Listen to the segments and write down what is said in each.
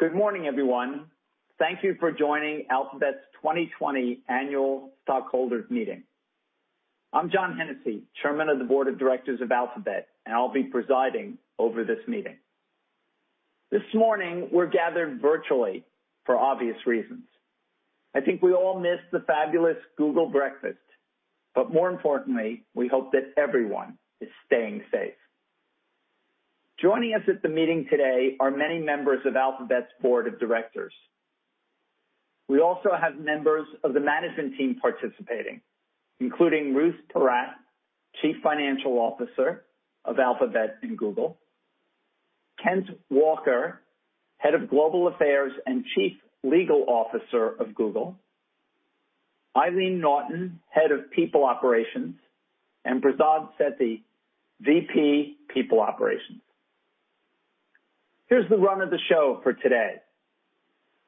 Good morning, everyone. Thank you for joining Alphabet's 2020 Annual Stockholders' Meeting. I'm John Hennessy, Chairman of the Board of Directors of Alphabet, and I'll be presiding over this meeting. This morning, we're gathered virtually for obvious reasons. I think we all missed the fabulous Google Breakfast, but more importantly, we hope that everyone is staying safe. Joining us at the meeting today are many members of Alphabet's Board of Directors. We also have members of the management team participating, including Ruth Porat, Chief Financial Officer of Alphabet and Google; Kent Walker, Head of Global Affairs and Chief Legal Officer of Google; Eileen Naughton, Head of People Operations; and Prasad Setty, VP People Operations. Here's the run of the show for today.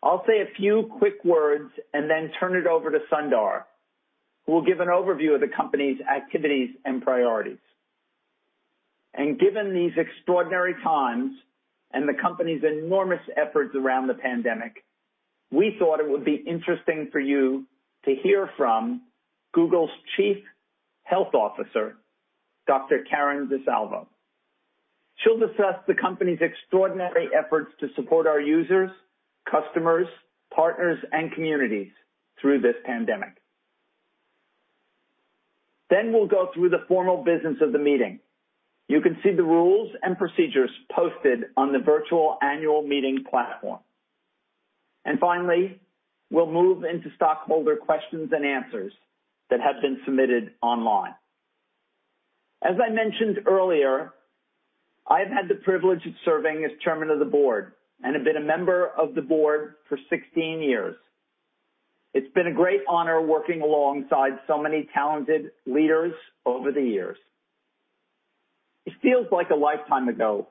I'll say a few quick words and then turn it over to Sundar, who will give an overview of the company's activities and priorities. Given these extraordinary times and the company's enormous efforts around the pandemic, we thought it would be interesting for you to hear from Google's Chief Health Officer, Dr. Karen DeSalvo. She'll discuss the company's extraordinary efforts to support our users, customers, partners, and communities through this pandemic. Then we'll go through the formal business of the meeting. You can see the rules and procedures posted on the virtual annual meeting platform. Finally, we'll move into stockholder questions and answers that have been submitted online. As I mentioned earlier, I have had the privilege of serving as Chairman of the Board and have been a member of the Board for 16 years. It's been a great honor working alongside so many talented leaders over the years. It feels like a lifetime ago,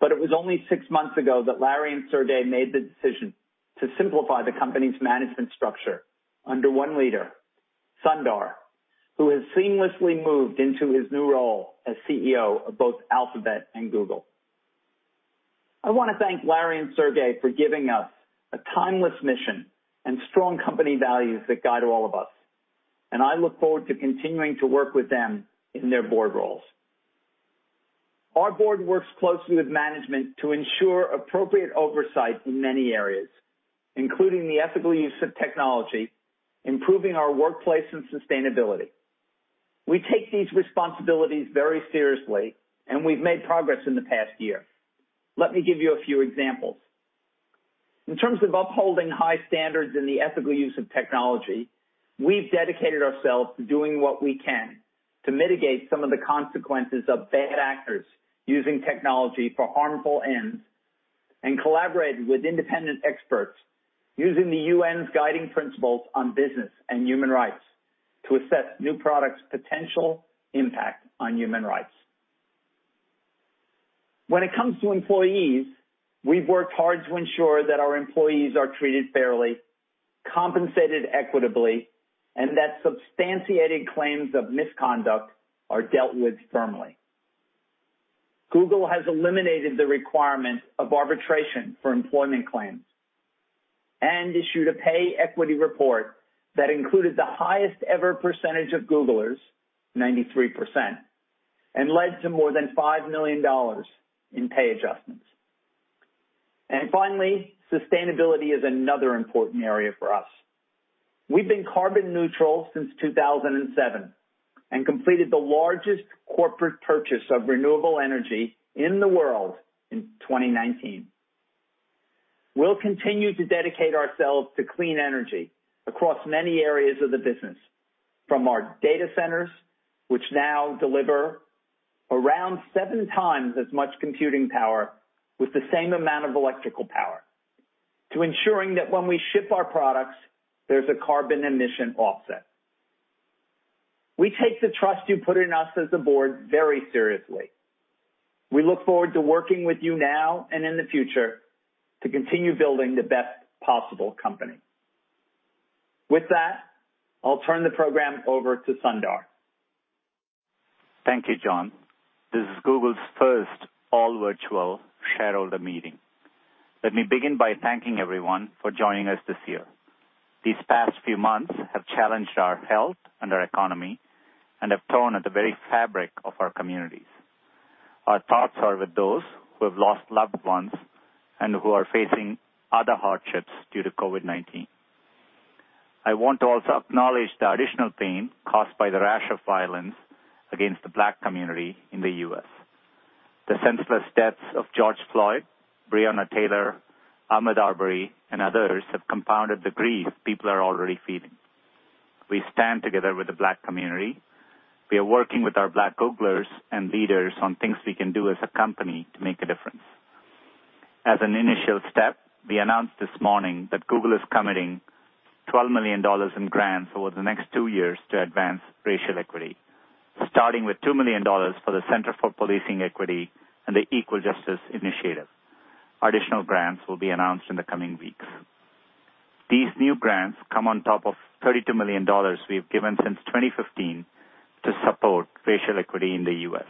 but it was only six months ago that Larry and Sergey made the decision to simplify the company's management structure under one leader, Sundar, who has seamlessly moved into his new role as CEO of both Alphabet and Google. I want to thank Larry and Sergey for giving us a timeless mission and strong company values that guide all of us, and I look forward to continuing to work with them in their board roles. Our board works closely with management to ensure appropriate oversight in many areas, including the ethical use of technology, improving our workplace and sustainability. We take these responsibilities very seriously, and we've made progress in the past year. Let me give you a few examples. In terms of upholding high standards in the ethical use of technology, we've dedicated ourselves to doing what we can to mitigate some of the consequences of bad actors using technology for harmful ends and collaborated with independent experts using the UN's Guiding Principles on Business and Human Rights to assess new products' potential impact on human rights. When it comes to employees, we've worked hard to ensure that our employees are treated fairly, compensated equitably, and that substantiated claims of misconduct are dealt with firmly. Google has eliminated the requirement of arbitration for employment claims and issued a pay equity report that included the highest-ever percentage of Googlers, 93%, and led to more than $5 million in pay adjustments. And finally, sustainability is another important area for us. We've been carbon neutral since 2007 and completed the largest corporate purchase of renewable energy in the world in 2019. We'll continue to dedicate ourselves to clean energy across many areas of the business, from our data centers, which now deliver around seven times as much computing power with the same amount of electrical power, to ensuring that when we ship our products, there's a carbon emission offset. We take the trust you put in us as a board very seriously. We look forward to working with you now and in the future to continue building the best possible company. With that, I'll turn the program over to Sundar. Thank you, John. This is Google's first all-virtual shareholder meeting. Let me begin by thanking everyone for joining us this year. These past few months have challenged our health and our economy and have torn at the very fabric of our communities. Our thoughts are with those who have lost loved ones and who are facing other hardships due to COVID-19. I want to also acknowledge the additional pain caused by the rash of violence against the Black community in the U.S. The senseless deaths of George Floyd, Breonna Taylor, Ahmaud Arbery, and others have compounded the grief people are already feeling. We stand together with the Black community. We are working with our Black Googlers and leaders on things we can do as a company to make a difference. As an initial step, we announced this morning that Google is committing $12 million in grants over the next two years to advance racial equity, starting with $2 million for the Center for Policing Equity and the Equal Justice Initiative. Additional grants will be announced in the coming weeks. These new grants come on top of $32 million we have given since 2015 to support racial equity in the U.S.,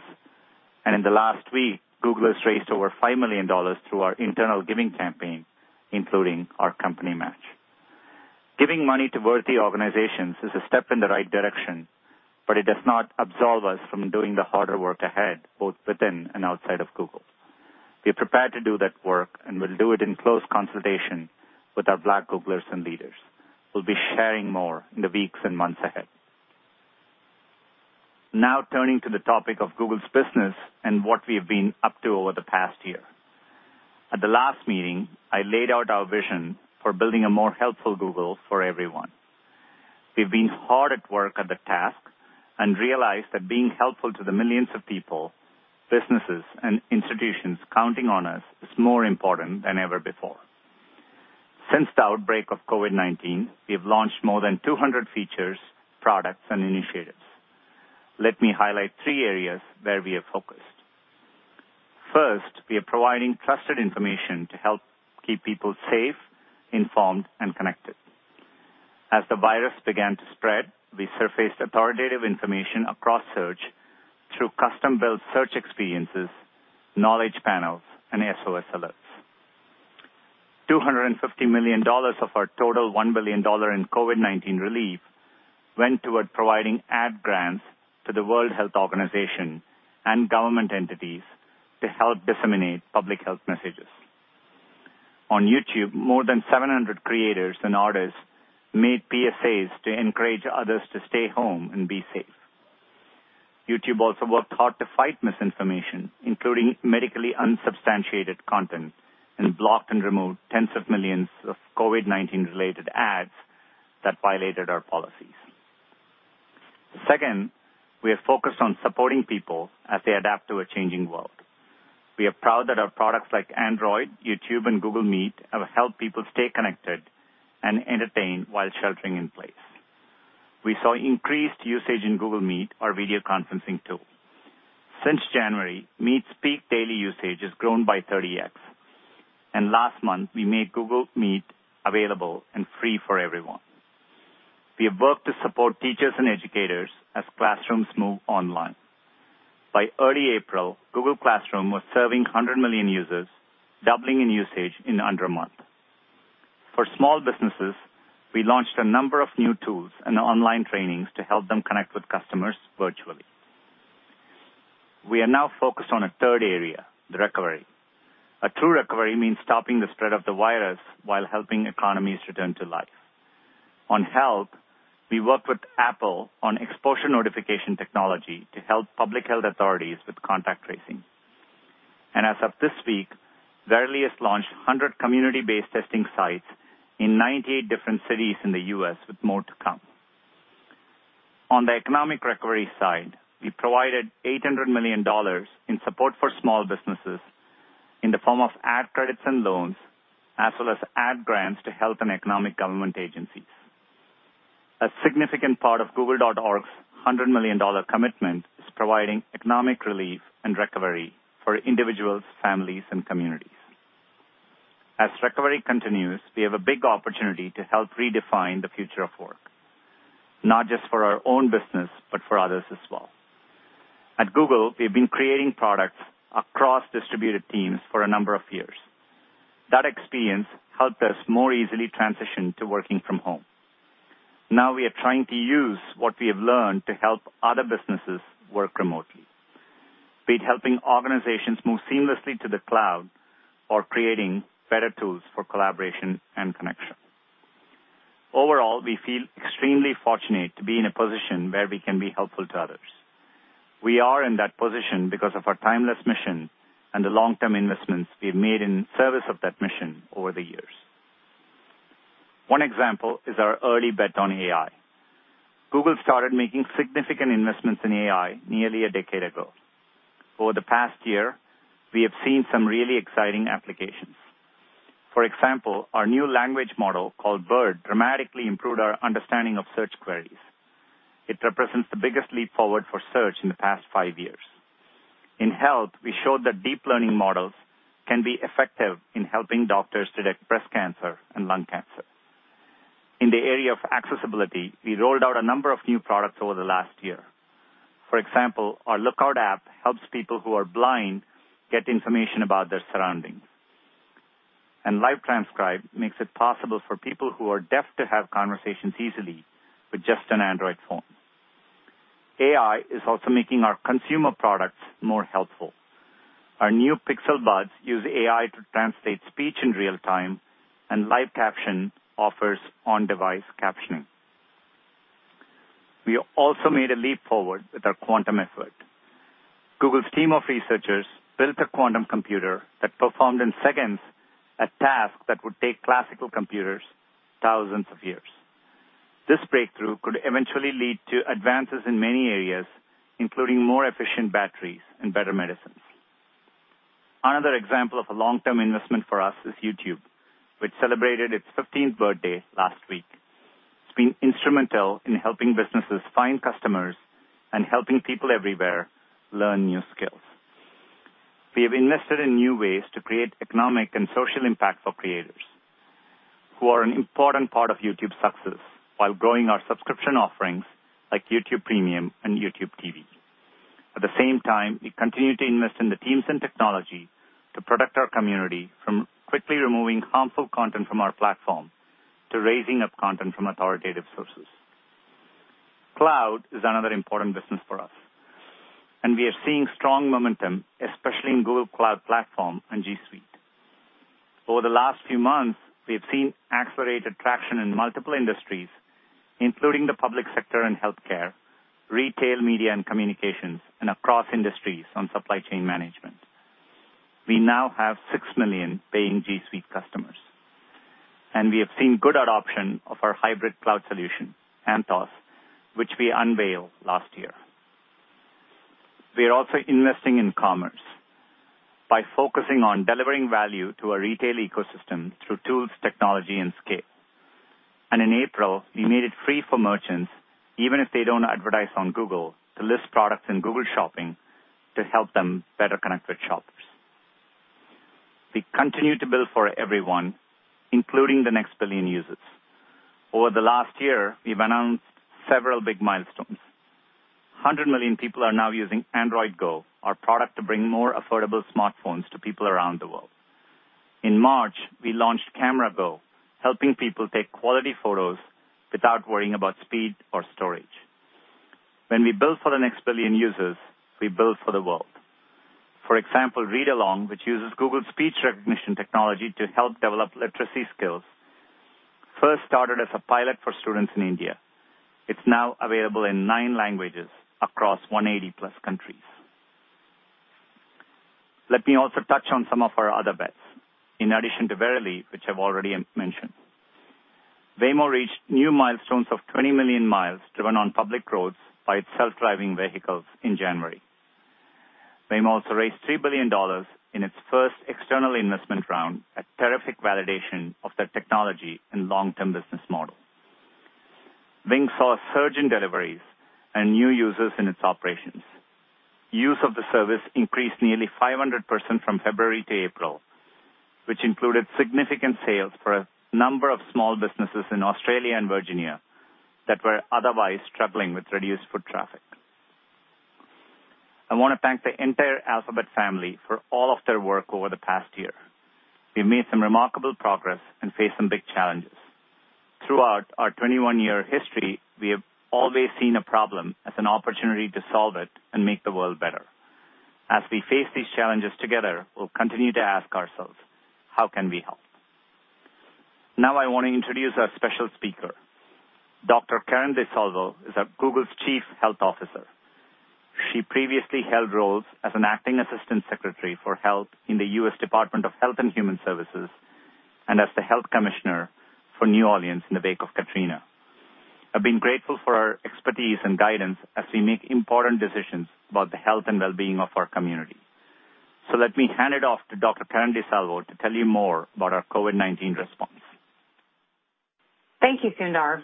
and in the last week, Google has raised over $5 million through our internal giving campaign, including our company match. Giving money to worthy organizations is a step in the right direction, but it does not absolve us from doing the harder work ahead, both within and outside of Google. We are prepared to do that work and will do it in close consultation with our Black Googlers and leaders. We'll be sharing more in the weeks and months ahead. Now, turning to the topic of Google's business and what we have been up to over the past year. At the last meeting, I laid out our vision for building a more helpful Google for everyone. We've been hard at work on the task and realized that being helpful to the millions of people, businesses, and institutions counting on us is more important than ever before. Since the outbreak of COVID-19, we have launched more than 200 features, products, and initiatives. Let me highlight three areas where we have focused. First, we are providing trusted information to help keep people safe, informed, and connected. As the virus began to spread, we surfaced authoritative information across search through custom-built search experiences, knowledge panels, and SOS alerts. $250 million of our total $1 billion in COVID-19 relief went toward providing ad grants to the World Health Organization and government entities to help disseminate public health messages. On YouTube, more than 700 creators and artists made PSAs to encourage others to stay home and be safe. YouTube also worked hard to fight misinformation, including medically unsubstantiated content, and blocked and removed tens of millions of COVID-19-related ads that violated our policies. Second, we have focused on supporting people as they adapt to a changing world. We are proud that our products like Android, YouTube, and Google Meet have helped people stay connected and entertained while sheltering in place. We saw increased usage in Google Meet, our video conferencing tool. Since January, Meet's peak daily usage has grown by 30x, and last month, we made Google Meet available and free for everyone. We have worked to support teachers and educators as classrooms move online. By early April, Google Classroom was serving 100 million users, doubling in usage in under a month. For small businesses, we launched a number of new tools and online trainings to help them connect with customers virtually. We are now focused on a third area, the recovery. A true recovery means stopping the spread of the virus while helping economies return to life. On health, we worked with Apple on exposure notification technology to help public health authorities with contact tracing, and as of this week, Verily has launched 100 community-based testing sites in 98 different cities in the U.S., with more to come. On the economic recovery side, we provided $800 million in support for small businesses in the form of ad credits and loans, as well as ad grants to health and economic government agencies. A significant part of Google.org's $100 million commitment is providing economic relief and recovery for individuals, families, and communities. As recovery continues, we have a big opportunity to help redefine the future of work, not just for our own business, but for others as well. At Google, we have been creating products across distributed teams for a number of years. That experience helped us more easily transition to working from home. Now, we are trying to use what we have learned to help other businesses work remotely, be it helping organizations move seamlessly to the cloud or creating better tools for collaboration and connection. Overall, we feel extremely fortunate to be in a position where we can be helpful to others. We are in that position because of our timeless mission and the long-term investments we have made in service of that mission over the years. One example is our early bet on AI. Google started making significant investments in AI nearly a decade ago. Over the past year, we have seen some really exciting applications. For example, our new language model called BERT dramatically improved our understanding of search queries. It represents the biggest leap forward for search in the past five years. In health, we showed that deep learning models can be effective in helping doctors detect breast cancer and lung cancer. In the area of accessibility, we rolled out a number of new products over the last year. For example, our Lookout app helps people who are blind get information about their surroundings, and Live Transcribe makes it possible for people who are deaf to have conversations easily with just an Android phone. AI is also making our consumer products more helpful. Our new Pixel Buds use AI to translate speech in real time, and Live Caption offers on-device captioning. We also made a leap forward with our quantum effort. Google's team of researchers built a quantum computer that performed in seconds a task that would take classical computers thousands of years. This breakthrough could eventually lead to advances in many areas, including more efficient batteries and better medicines. Another example of a long-term investment for us is YouTube, which celebrated its 15th birthday last week. It's been instrumental in helping businesses find customers and helping people everywhere learn new skills. We have invested in new ways to create economic and social impact for creators who are an important part of YouTube's success while growing our subscription offerings like YouTube Premium and YouTube TV. At the same time, we continue to invest in the teams and technology to protect our community by quickly removing harmful content from our platform to raising up content from authoritative sources. Cloud is another important business for us, and we are seeing strong momentum, especially in Google Cloud Platform and G Suite. Over the last few months, we have seen accelerated traction in multiple industries, including the public sector and health care, retail, media, and communications, and across industries on supply chain management. We now have six million paying G Suite customers, and we have seen good adoption of our hybrid cloud solution, Anthos, which we unveiled last year. We are also investing in commerce by focusing on delivering value to our retail ecosystem through tools, technology, and scale. In April, we made it free for merchants, even if they don't advertise on Google, to list products in Google Shopping to help them better connect with shoppers. We continue to build for everyone, including the next billion users. Over the last year, we've announced several big milestones. 100 million people are now using Android Go, our product to bring more affordable smartphones to people around the world. In March, we launched Camera Go, helping people take quality photos without worrying about speed or storage. When we build for the next billion users, we build for the world. For example, Read Along, which uses Google's speech recognition technology to help develop literacy skills, first started as a pilot for students in India. It's now available in nine languages across 180-plus countries. Let me also touch on some of our other bets, in addition to Verily, which I've already mentioned. Waymo reached new milestones of 20 million miles driven on public roads by its self-driving vehicles in January. Waymo also raised $3 billion in its first external investment round, a terrific validation of their technology and long-term business model. Wing saw a surge in deliveries and new users in its operations. Use of the service increased nearly 500% from February to April, which included significant sales for a number of small businesses in Australia and Virginia that were otherwise struggling with reduced foot traffic. I want to thank the entire Alphabet family for all of their work over the past year. We've made some remarkable progress and faced some big challenges. Throughout our 21-year history, we have always seen a problem as an opportunity to solve it and make the world better. As we face these challenges together, we'll continue to ask ourselves, how can we help? Now, I want to introduce our special speaker. Dr. Karen DeSalvo is Google's Chief Health Officer. She previously held roles as an Acting Assistant Secretary for Health in the U.S. Department of Health and Human Services and as the Health Commissioner for New Orleans in the wake of Katrina. I've been grateful for her expertise and guidance as we make important decisions about the health and well-being of our community. So let me hand it off to Dr. Karen DeSalvo to tell you more about our COVID-19 response. Thank you, Sundar.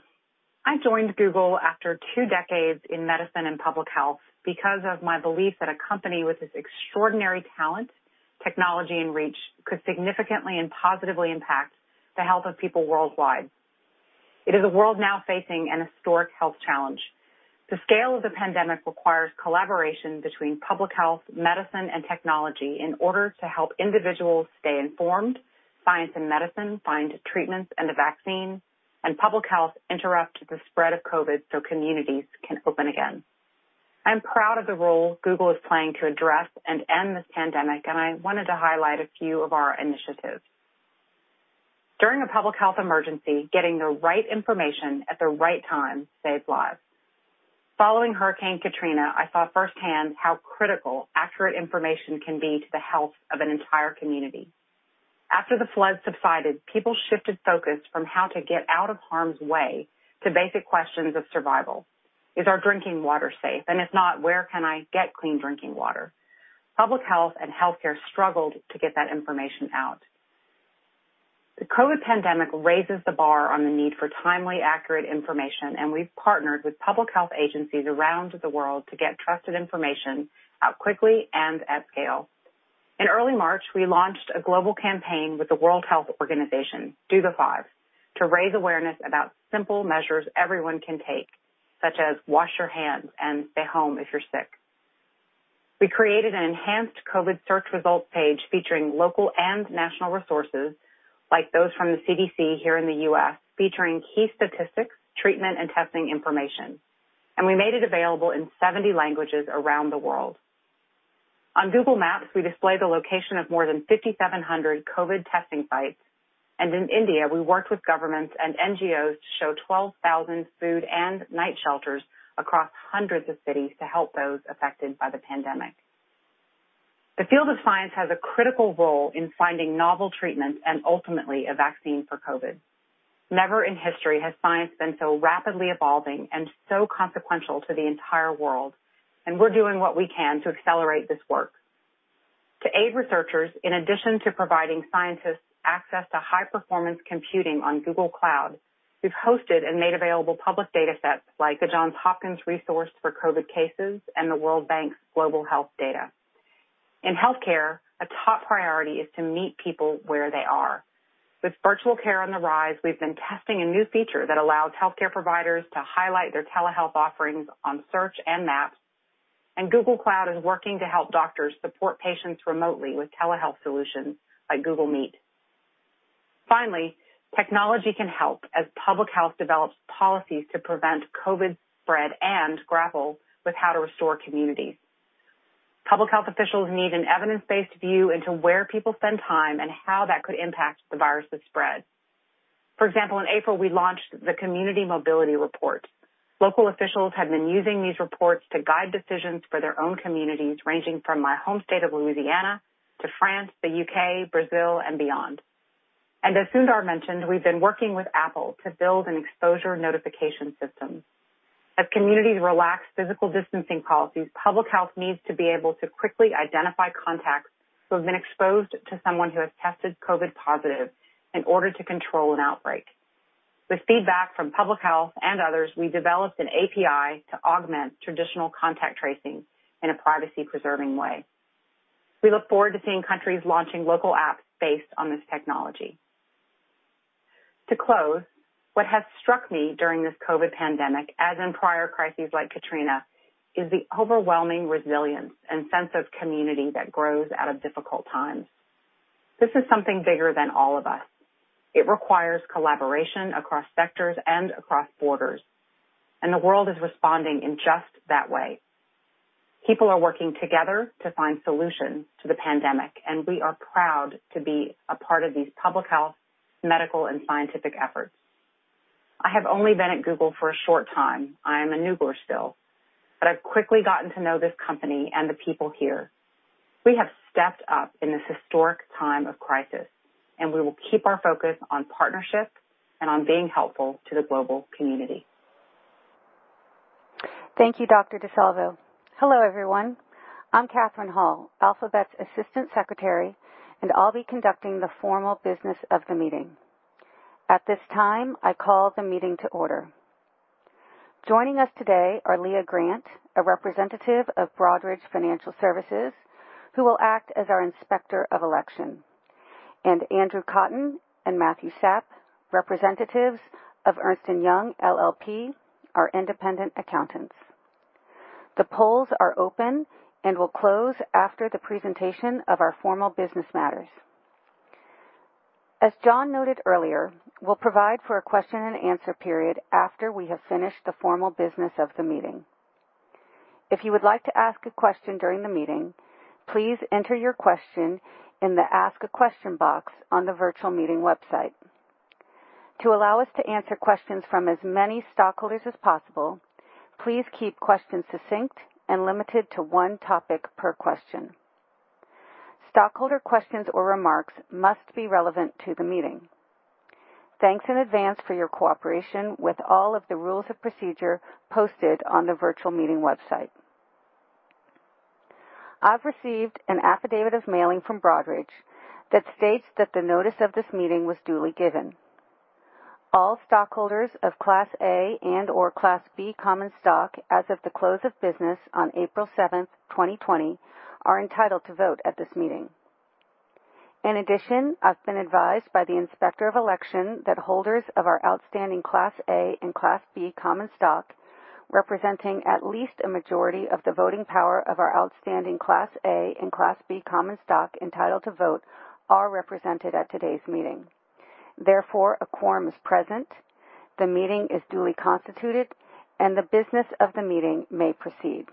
I joined Google after two decades in medicine and public health because of my belief that a company with this extraordinary talent, technology, and reach could significantly and positively impact the health of people worldwide. It is a world now facing an historic health challenge. The scale of the pandemic requires collaboration between public health, medicine, and technology in order to help individuals stay informed, science and medicine find treatments and a vaccine, and public health interrupt the spread of COVID so communities can open again. I'm proud of the role Google is playing to address and end this pandemic, and I wanted to highlight a few of our initiatives. During a public health emergency, getting the right information at the right time saved lives. Following Hurricane Katrina, I saw firsthand how critical accurate information can be to the health of an entire community. After the flood subsided, people shifted focus from how to get out of harm's way to basic questions of survival. Is our drinking water safe? And if not, where can I get clean drinking water? Public health and health care struggled to get that information out. The COVID pandemic raises the bar on the need for timely, accurate information, and we've partnered with public health agencies around the world to get trusted information out quickly and at scale. In early March, we launched a global campaign with the World Health Organization, Do the Five, to raise awareness about simple measures everyone can take, such as wash your hands and stay home if you're sick. We created an enhanced COVID search results page featuring local and national resources, like those from the CDC here in the U.S., featuring key statistics, treatment, and testing information, and we made it available in 70 languages around the world. On Google Maps, we display the location of more than 5,700 COVID testing sites, and in India, we worked with governments and NGOs to show 12,000 food and night shelters across hundreds of cities to help those affected by the pandemic. The field of science has a critical role in finding novel treatments and ultimately a vaccine for COVID. Never in history has science been so rapidly evolving and so consequential to the entire world, and we're doing what we can to accelerate this work. To aid researchers, in addition to providing scientists access to high-performance computing on Google Cloud, we've hosted and made available public data sets like the Johns Hopkins resource for COVID cases and the World Bank's global health data. In health care, a top priority is to meet people where they are. With virtual care on the rise, we've been testing a new feature that allows health care providers to highlight their telehealth offerings on Search and Maps, and Google Cloud is working to help doctors support patients remotely with telehealth solutions like Google Meet. Finally, technology can help as public health develops policies to prevent COVID-19 spread and grapple with how to restore communities. Public health officials need an evidence-based view into where people spend time and how that could impact the virus's spread. For example, in April, we launched the Community Mobility Report. Local officials had been using these reports to guide decisions for their own communities, ranging from my home state of Louisiana to France, the U.K., Brazil, and beyond. And as Sundar mentioned, we've been working with Apple to build an exposure notification system. As communities relax physical distancing policies, public health needs to be able to quickly identify contacts who have been exposed to someone who has tested COVID-19 positive in order to control an outbreak. With feedback from public health and others, we developed an API to augment traditional contact tracing in a privacy-preserving way. We look forward to seeing countries launching local apps based on this technology. To close, what has struck me during this COVID pandemic, as in prior crises like Katrina, is the overwhelming resilience and sense of community that grows out of difficult times. This is something bigger than all of us. It requires collaboration across sectors and across borders, and the world is responding in just that way. People are working together to find solutions to the pandemic, and we are proud to be a part of these public health, medical, and scientific efforts. I have only been at Google for a short time. I am a newborn still, but I've quickly gotten to know this company and the people here. We have stepped up in this historic time of crisis, and we will keep our focus on partnership and on being helpful to the global community. Thank you, Dr. Hello, everyone. I'm Kathryn Hall, Alphabet's Assistant Secretary, and I'll be conducting the formal business of the meeting. At this time, I call the meeting to order. Joining us today are Leah Grant, a representative of Broadridge Financial Services, who will act as our inspector of election, and Andrew Cotton and Matthew Sapp, representatives of Ernst & Young, LLP, our independent accountants. The polls are open and will close after the presentation of our formal business matters. As John noted earlier, we'll provide for a question-and-answer period after we have finished the formal business of the meeting. If you would like to ask a question during the meeting, please enter your question in the Ask a Question box on the virtual meeting website. To allow us to answer questions from as many stockholders as possible, please keep questions succinct and limited to one topic per question. Stockholder questions or remarks must be relevant to the meeting. Thanks in advance for your cooperation with all of the rules of procedure posted on the virtual meeting website. I've received an affidavit of mailing from Broadridge that states that the notice of this meeting was duly given. All stockholders of Class A and/or Class B Common Stock, as of the close of business on April 7, 2020, are entitled to vote at this meeting. In addition, I've been advised by the inspector of election that holders of our outstanding Class A and Class B Common Stock, representing at least a majority of the voting power of our outstanding Class A and Class B Common Stock entitled to vote, are represented at today's meeting. Therefore, a quorum is present, the meeting is duly constituted, and the business of the meeting may proceed.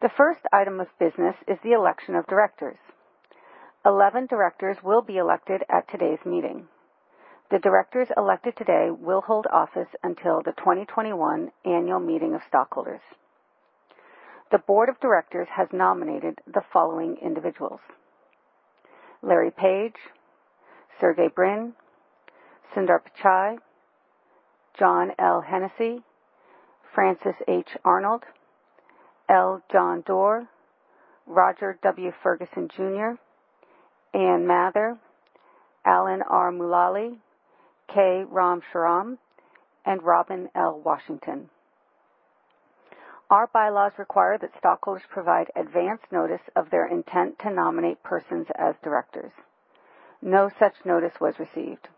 The first item of business is the election of directors. 11 directors will be elected at today's meeting. The directors elected today will hold office until the 2021 annual meeting of stockholders. The board of directors has nominated the following individuals: Larry Page, Sergey Brin, Sundar Pichai, John L. Hennessy, Francis H. Arnold, L. John Doerr, Roger W. Ferguson, Jr., Anne Mather, Alan R. Mulally, K. Ram Shriram, and Robin L. Washington. Our bylaws require that stockholders provide advance notice of their intent to nominate persons as directors. No such notice was received.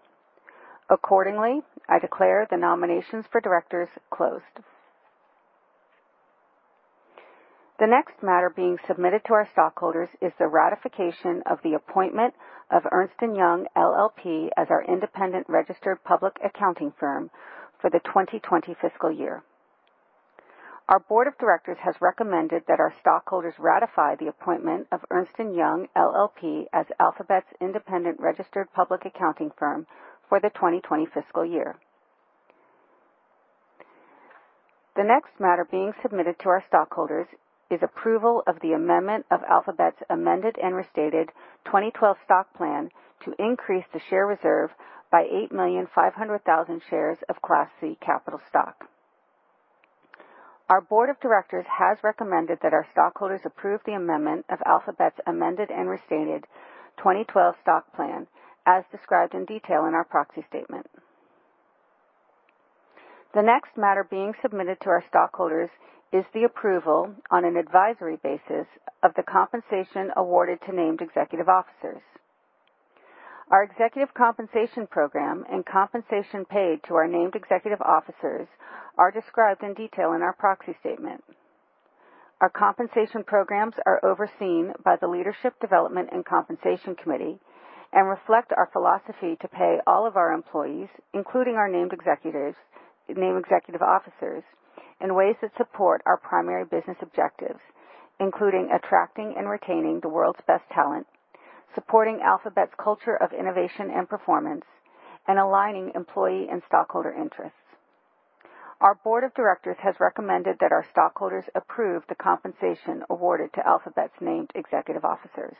Accordingly, I declare the nominations for directors closed. The next matter being submitted to our stockholders is the ratification of the appointment of Ernst & Young LLP as our independent registered public accounting firm for the 2020 fiscal year. Our board of directors has recommended that our stockholders ratify the appointment of Ernst & Young LLP as Alphabet's independent registered public accounting firm for the 2020 fiscal year. The next matter being submitted to our stockholders is approval of the amendment of Alphabet's Amended and Restated 2012 Stock Plan to increase the share reserve by 8,500,000 shares of Class C Capital Stock. Our board of directors has recommended that our stockholders approve the amendment of Alphabet's Amended and Restated 2012 Stock Plan, as described in detail in our proxy statement. The next matter being submitted to our stockholders is the approval, on an advisory basis, of the compensation awarded to named executive officers. Our executive compensation program and compensation paid to our named executive officers are described in detail in our proxy statement. Our compensation programs are overseen by the Leadership Development and Compensation Committee and reflect our philosophy to pay all of our employees, including our named executives, named executive officers, in ways that support our primary business objectives, including attracting and retaining the world's best talent, supporting Alphabet's culture of innovation and performance, and aligning employee and stockholder interests. Our board of directors has recommended that our stockholders approve the compensation awarded to Alphabet's named executive officers.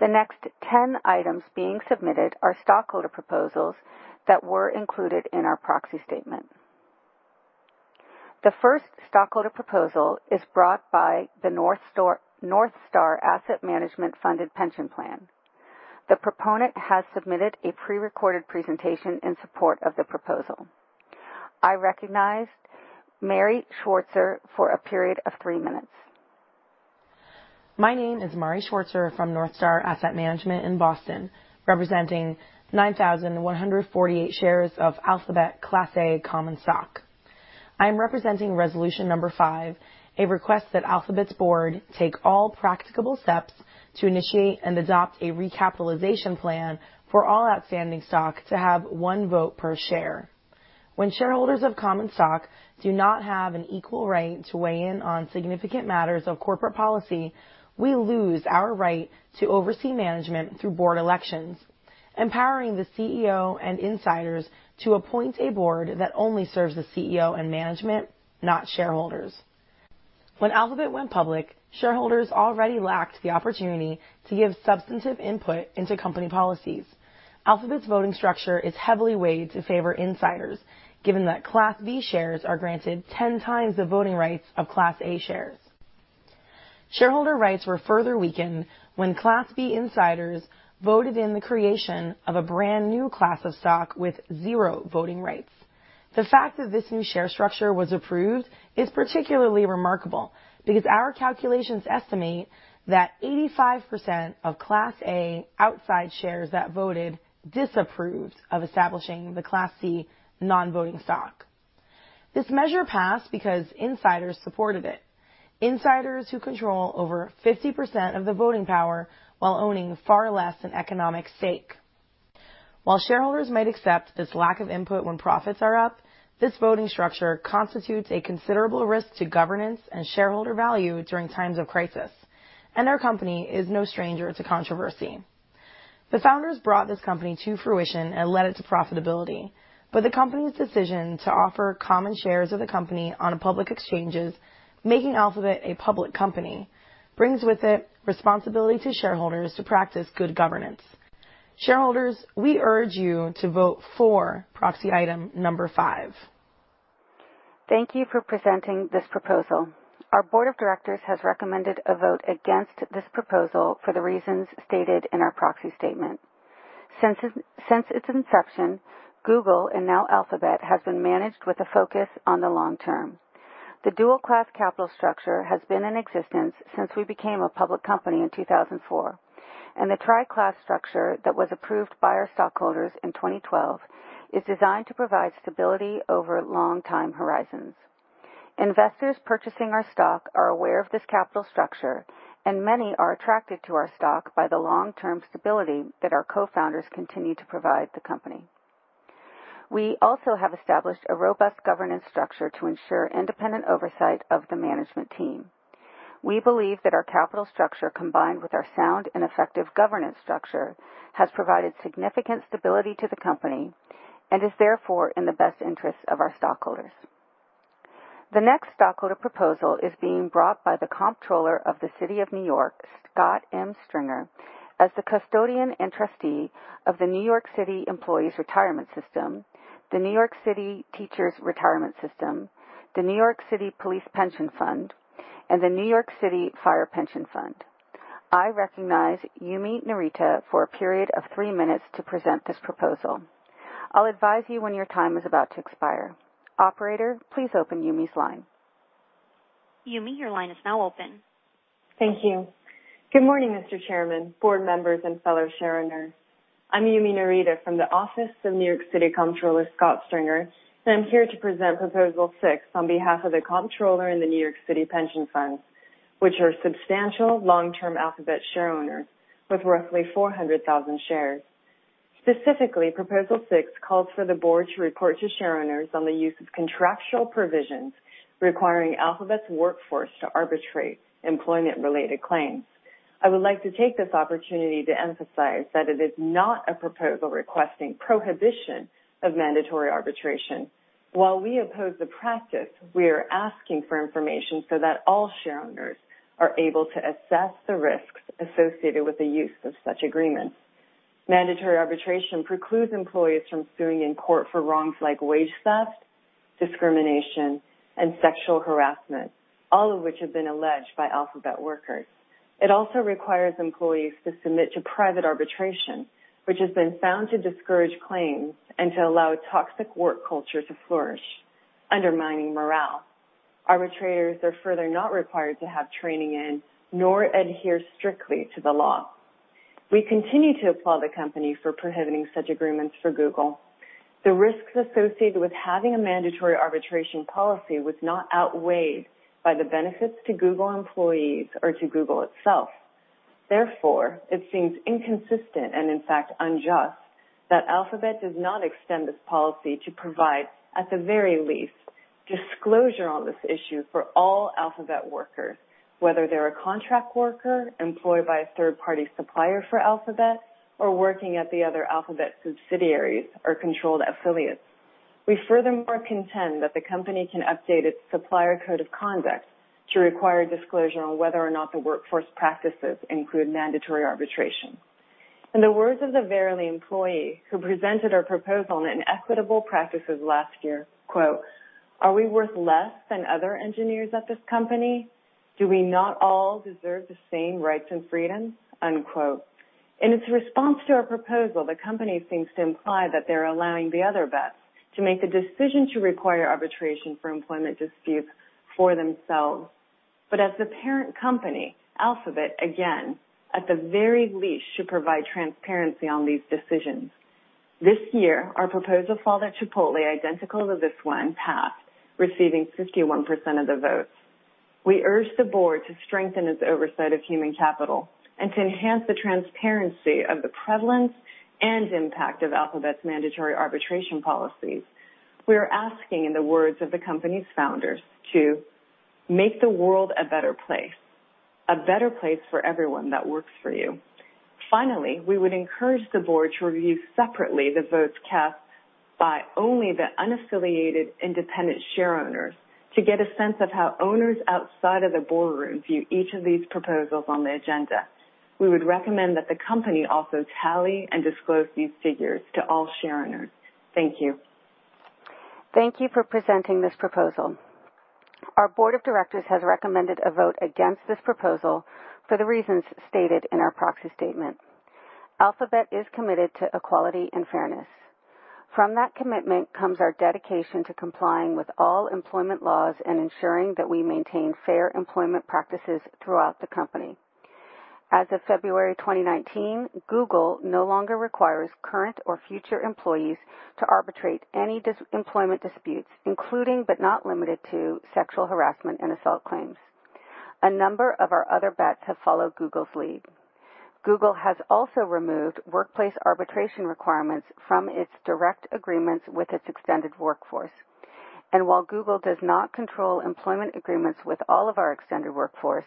The next 10 items being submitted are stockholder proposals that were included in our proxy statement. The first stockholder proposal is brought by the NorthStar Asset Management funded pension plan. The proponent has submitted a prerecorded presentation in support of the proposal. I recognize Mari Schwartzer for a period of three minutes. My name is Mari Schwartzer from NorthStar Asset Management in Boston, representing 9,148 shares of Alphabet Class A common stock. I am representing resolution number 5, a request that Alphabet's board take all practicable steps to initiate and adopt a recapitalization plan for all outstanding stock to have one vote per share. When shareholders of common stock do not have an equal right to weigh in on significant matters of corporate policy, we lose our right to oversee management through board elections, empowering the CEO and insiders to appoint a board that only serves the CEO and management, not shareholders. When Alphabet went public, shareholders already lacked the opportunity to give substantive input into company policies. Alphabet's voting structure is heavily weighted to favor insiders, given that Class B shares are granted 10 times the voting rights of Class A shares. Shareholder rights were further weakened when Class B insiders voted in the creation of a brand new class of stock with zero voting rights. The fact that this new share structure was approved is particularly remarkable because our calculations estimate that 85% of Class A outside shares that voted disapproved of establishing the Class C non-voting stock. This measure passed because insiders supported it, insiders who control over 50% of the voting power while owning far less in economic stake. While shareholders might accept this lack of input when profits are up, this voting structure constitutes a considerable risk to governance and shareholder value during times of crisis, and our company is no stranger to controversy. The founders brought this company to fruition and led it to profitability, but the company's decision to offer common shares of the company on public exchanges, making Alphabet a public company, brings with it responsibility to shareholders to practice good governance. Shareholders, we urge you to vote for proxy item number five. Thank you for presenting this proposal. Our board of directors has recommended a vote against this proposal for the reasons stated in our proxy statement. Since its inception, Google, and now Alphabet, has been managed with a focus on the long term. The dual-class capital structure has been in existence since we became a public company in 2004, and the tri-class structure that was approved by our stockholders in 2012 is designed to provide stability over long-time horizons. Investors purchasing our stock are aware of this capital structure, and many are attracted to our stock by the long-term stability that our co-founders continue to provide the company. We also have established a robust governance structure to ensure independent oversight of the management team. We believe that our capital structure, combined with our sound and effective governance structure, has provided significant stability to the company and is therefore in the best interests of our stockholders. The next stockholder proposal is being brought by the Comptroller of the City of New York, Scott M. Stringer, as the custodian and trustee of the New York City Employees' Retirement System, the New York City Teachers' Retirement System, the New York City Police Pension Fund, and the New York City Fire Pension Fund. I recognize Yumi Narita for a period of three minutes to present this proposal. I'll advise you when your time is about to expire. Operator, please open Yumi's line. Yumi, your line is now open. Thank you. Good morning, Mr. Chairman, board members, and fellow shareholders. I'm Yumi Narita from the Office of the New York City Comptroller, Scott Stringer, and I'm here to present proposal six on behalf of the Comptroller and the New York City Pension Fund, which are substantial long-term Alphabet shareholders with roughly 400,000 shares. Specifically, proposal six calls for the board to report to shareholders on the use of contractual provisions requiring Alphabet's workforce to arbitrate employment-related claims. I would like to take this opportunity to emphasize that it is not a proposal requesting prohibition of mandatory arbitration. While we oppose the practice, we are asking for information so that all shareholders are able to assess the risks associated with the use of such agreements. Mandatory arbitration precludes employees from suing in court for wrongs like wage theft, discrimination, and sexual harassment, all of which have been alleged by Alphabet workers. It also requires employees to submit to private arbitration, which has been found to discourage claims and to allow toxic work culture to flourish, undermining morale. Arbitrators are further not required to have training in nor adhere strictly to the law. We continue to applaud the company for prohibiting such agreements for Google. The risks associated with having a mandatory arbitration policy would not be outweighed by the benefits to Google employees or to Google itself. Therefore, it seems inconsistent and, in fact, unjust that Alphabet does not extend this policy to provide, at the very least, disclosure on this issue for all Alphabet workers, whether they're a contract worker employed by a third-party supplier for Alphabet or working at the other Alphabet subsidiaries or controlled affiliates. We furthermore contend that the company can update its supplier code of conduct to require disclosure on whether or not the workforce practices include mandatory arbitration. In the words of the very employee who presented our proposal on inequitable practices last year, quote, "Are we worth less than other engineers at this company? Do we not all deserve the same rights and freedoms?" Unquote. In its response to our proposal, the company seems to imply that they're allowing the employees to make the decision to require arbitration for employment disputes for themselves. But as the parent company, Alphabet, again, at the very least, should provide transparency on these decisions. This year, our proposal followed Chipotle, identical to this one, passed, receiving 51% of the votes. We urge the board to strengthen its oversight of human capital and to enhance the transparency of the prevalence and impact of Alphabet's mandatory arbitration policies. We are asking, in the words of the company's founders, to make the world a better place, a better place for everyone that works for you. Finally, we would encourage the board to review separately the votes cast by only the unaffiliated independent shareholders to get a sense of how owners outside of the boardroom view each of these proposals on the agenda. We would recommend that the company also tally and disclose these figures to all shareholders. Thank you. Thank you for presenting this proposal. Our board of directors has recommended a vote against this proposal for the reasons stated in our proxy statement. Alphabet is committed to equality and fairness. From that commitment comes our dedication to complying with all employment laws and ensuring that we maintain fair employment practices throughout the company. As of February 2019, Google no longer requires current or future employees to arbitrate any employment disputes, including but not limited to sexual harassment and assault claims. A number of our other bets have followed Google's lead. Google has also removed workplace arbitration requirements from its direct agreements with its extended workforce, and while Google does not control employment agreements with all of our extended workforce,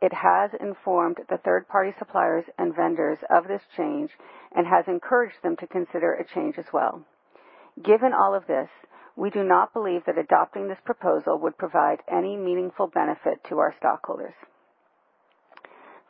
it has informed the third-party suppliers and vendors of this change and has encouraged them to consider a change as well. Given all of this, we do not believe that adopting this proposal would provide any meaningful benefit to our stockholders.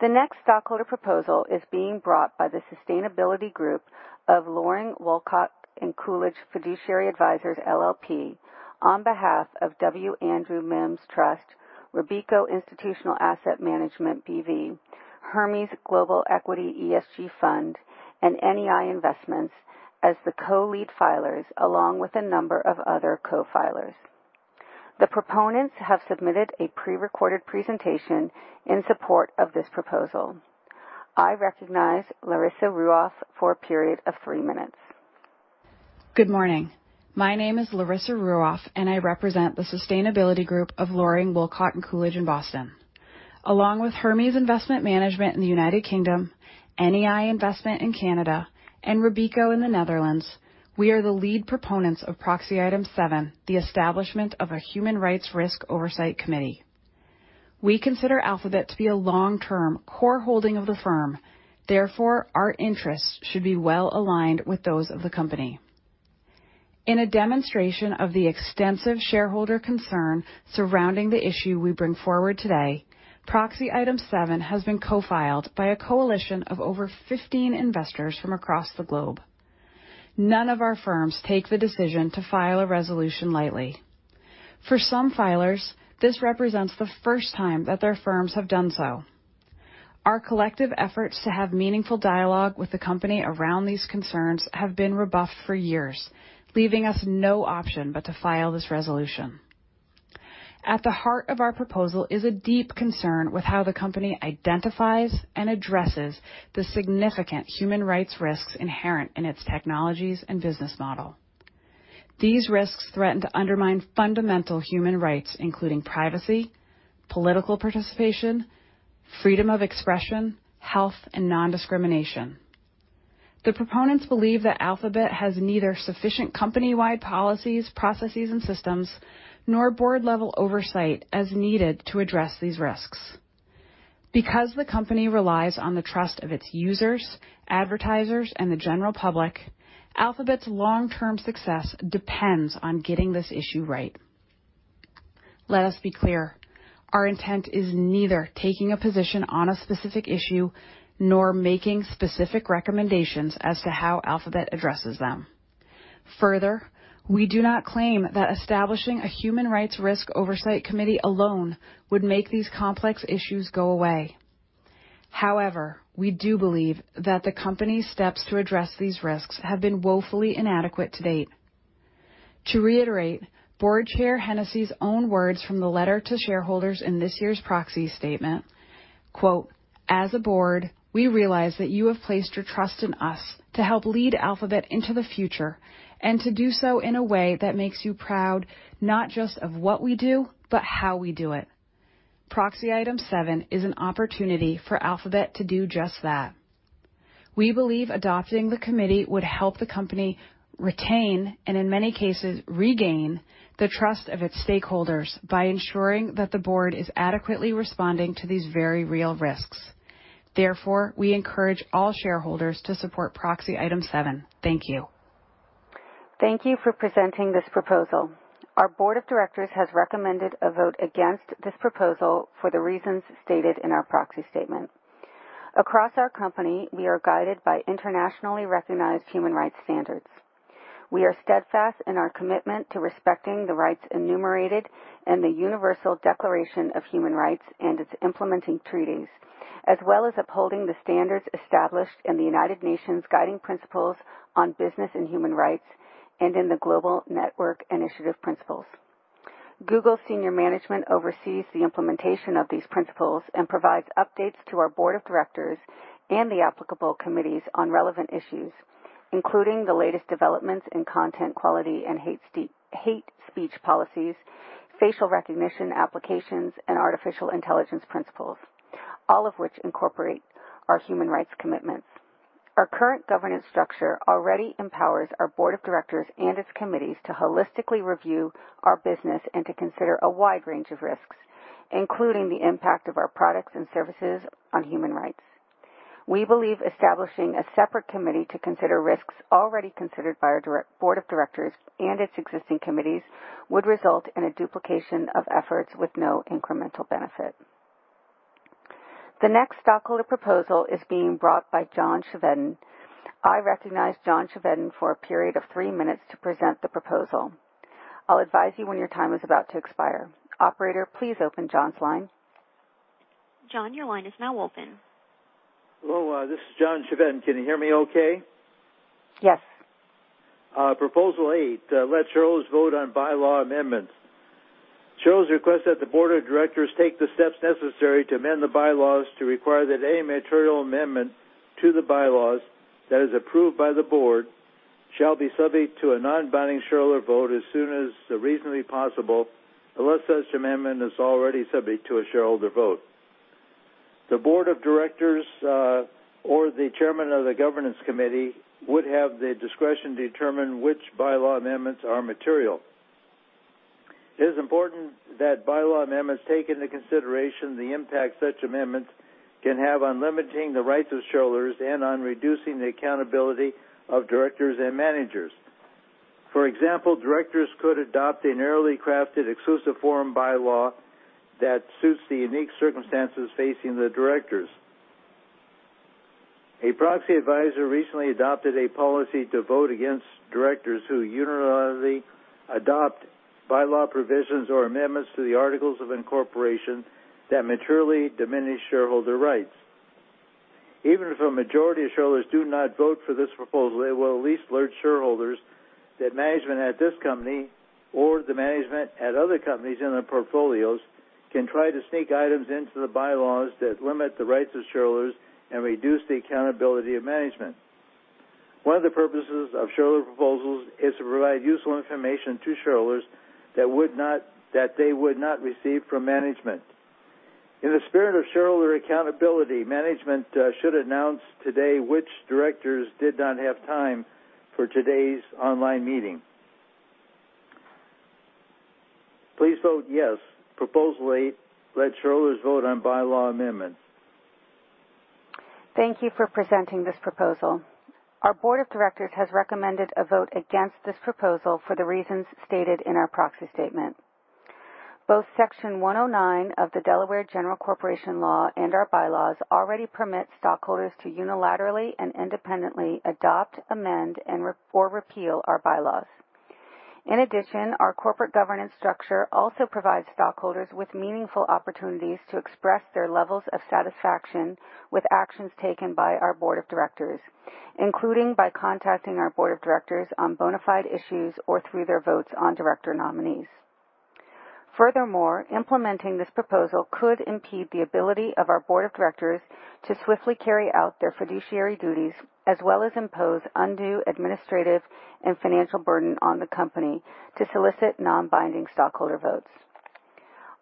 The next stockholder proposal is being brought by the Sustainability Group of Loring, Wolcott & Coolidge Fiduciary Advisors, LLP, on behalf of W. Andrew Mims Trust, Robeco Institutional Asset Management B.V., Hermes Global Equity ESG Fund, and NEI Investments as the co-lead filers, along with a number of other co-filers. The proponents have submitted a prerecorded presentation in support of this proposal. I recognize Larissa Ruoff for a period of three minutes. Good morning. My name is Larissa Ruoff, and I represent the Sustainability Group of Loring, Wolcott & Coolidge in Boston. Along with Hermes Investment Management in the United Kingdom, NEI Investments in Canada, and Robeco in the Netherlands, we are the lead proponents of proxy item seven, the establishment of a Human Rights Risk Oversight Committee. We consider Alphabet to be a long-term core holding of the firm. Therefore, our interests should be well aligned with those of the company. In a demonstration of the extensive shareholder concern surrounding the issue we bring forward today, proxy item seven has been co-filed by a coalition of over 15 investors from across the globe. None of our firms take the decision to file a resolution lightly. For some filers, this represents the first time that their firms have done so. Our collective efforts to have meaningful dialogue with the company around these concerns have been rebuffed for years, leaving us no option but to file this resolution. At the heart of our proposal is a deep concern with how the company identifies and addresses the significant human rights risks inherent in its technologies and business model. These risks threaten to undermine fundamental human rights, including privacy, political participation, freedom of expression, health, and non-discrimination. The proponents believe that Alphabet has neither sufficient company-wide policies, processes, and systems, nor board-level oversight as needed to address these risks. Because the company relies on the trust of its users, advertisers, and the general public, Alphabet's long-term success depends on getting this issue right. Let us be clear. Our intent is neither taking a position on a specific issue nor making specific recommendations as to how Alphabet addresses them. Further, we do not claim that establishing a Human Rights Risk Oversight Committee alone would make these complex issues go away. However, we do believe that the company's steps to address these risks have been woefully inadequate to date. To reiterate, Board Chair Hennessy's own words from the letter to shareholders in this year's proxy statement, quote, "As a board, we realize that you have placed your trust in us to help lead Alphabet into the future and to do so in a way that makes you proud not just of what we do, but how we do it." Proxy item seven is an opportunity for Alphabet to do just that. We believe adopting the committee would help the company retain and, in many cases, regain the trust of its stakeholders by ensuring that the board is adequately responding to these very real risks. Therefore, we encourage all shareholders to support proxy item seven. Thank you. Thank you for presenting this proposal. Our board of directors has recommended a vote against this proposal for the reasons stated in our proxy statement. Across our company, we are guided by internationally recognized human rights standards. We are steadfast in our commitment to respecting the rights enumerated in the Universal Declaration of Human Rights and its implementing treaties, as well as upholding the standards established in the United Nations guiding principles on business and human rights and in the Global Network Initiative Principles. Google senior management oversees the implementation of these principles and provides updates to our board of directors and the applicable committees on relevant issues, including the latest developments in content quality and hate speech policies, facial recognition applications, and artificial intelligence principles, all of which incorporate our human rights commitments. Our current governance structure already empowers our board of directors and its committees to holistically review our business and to consider a wide range of risks, including the impact of our products and services on human rights. We believe establishing a separate committee to consider risks already considered by our board of directors and its existing committees would result in a duplication of efforts with no incremental benefit. The next stockholder proposal is being brought by John Chevedden. I recognize John Chevedden for a period of three minutes to present the proposal. I'll advise you when your time is about to expire. Operator, please open John's line. John, your line is now open. Hello. This is John Chevedden. Can you hear me okay? Yes. Proposal eight, let shareholders vote on bylaw amendments. Charles requests that the board of directors take the steps necessary to amend the bylaws to require that any material amendment to the bylaws that is approved by the board shall be subject to a non-binding shareholder vote as soon as reasonably possible unless such amendment is already subject to a shareholder vote. The board of directors or the chairman of the governance committee would have the discretion to determine which bylaw amendments are material. It is important that bylaw amendments take into consideration the impact such amendments can have on limiting the rights of shareholders and on reducing the accountability of directors and managers. For example, directors could adopt an early crafted exclusive forum bylaw that suits the unique circumstances facing the directors. A proxy advisor recently adopted a policy to vote against directors who unilaterally adopt bylaw provisions or amendments to the articles of incorporation that materially diminish shareholder rights. Even if a majority of shareholders do not vote for this proposal, it will at least alert shareholders that management at this company or the management at other companies in their portfolios can try to sneak items into the bylaws that limit the rights of shareholders and reduce the accountability of management. One of the purposes of shareholder proposals is to provide useful information to shareholders that they would not receive from management. In the spirit of shareholder accountability, management should announce today which directors did not have time for today's online meeting. Please vote yes. Proposal eight, let shareholders vote on bylaw amendments. Thank you for presenting this proposal. Our board of directors has recommended a vote against this proposal for the reasons stated in our proxy statement. Both Section 109 of the Delaware General Corporation Law and our bylaws already permit stockholders to unilaterally and independently adopt, amend, or repeal our bylaws. In addition, our corporate governance structure also provides stockholders with meaningful opportunities to express their levels of satisfaction with actions taken by our board of directors, including by contacting our board of directors on bona fide issues or through their votes on director nominees. Furthermore, implementing this proposal could impede the ability of our board of directors to swiftly carry out their fiduciary duties as well as impose undue administrative and financial burden on the company to solicit non-binding stockholder votes.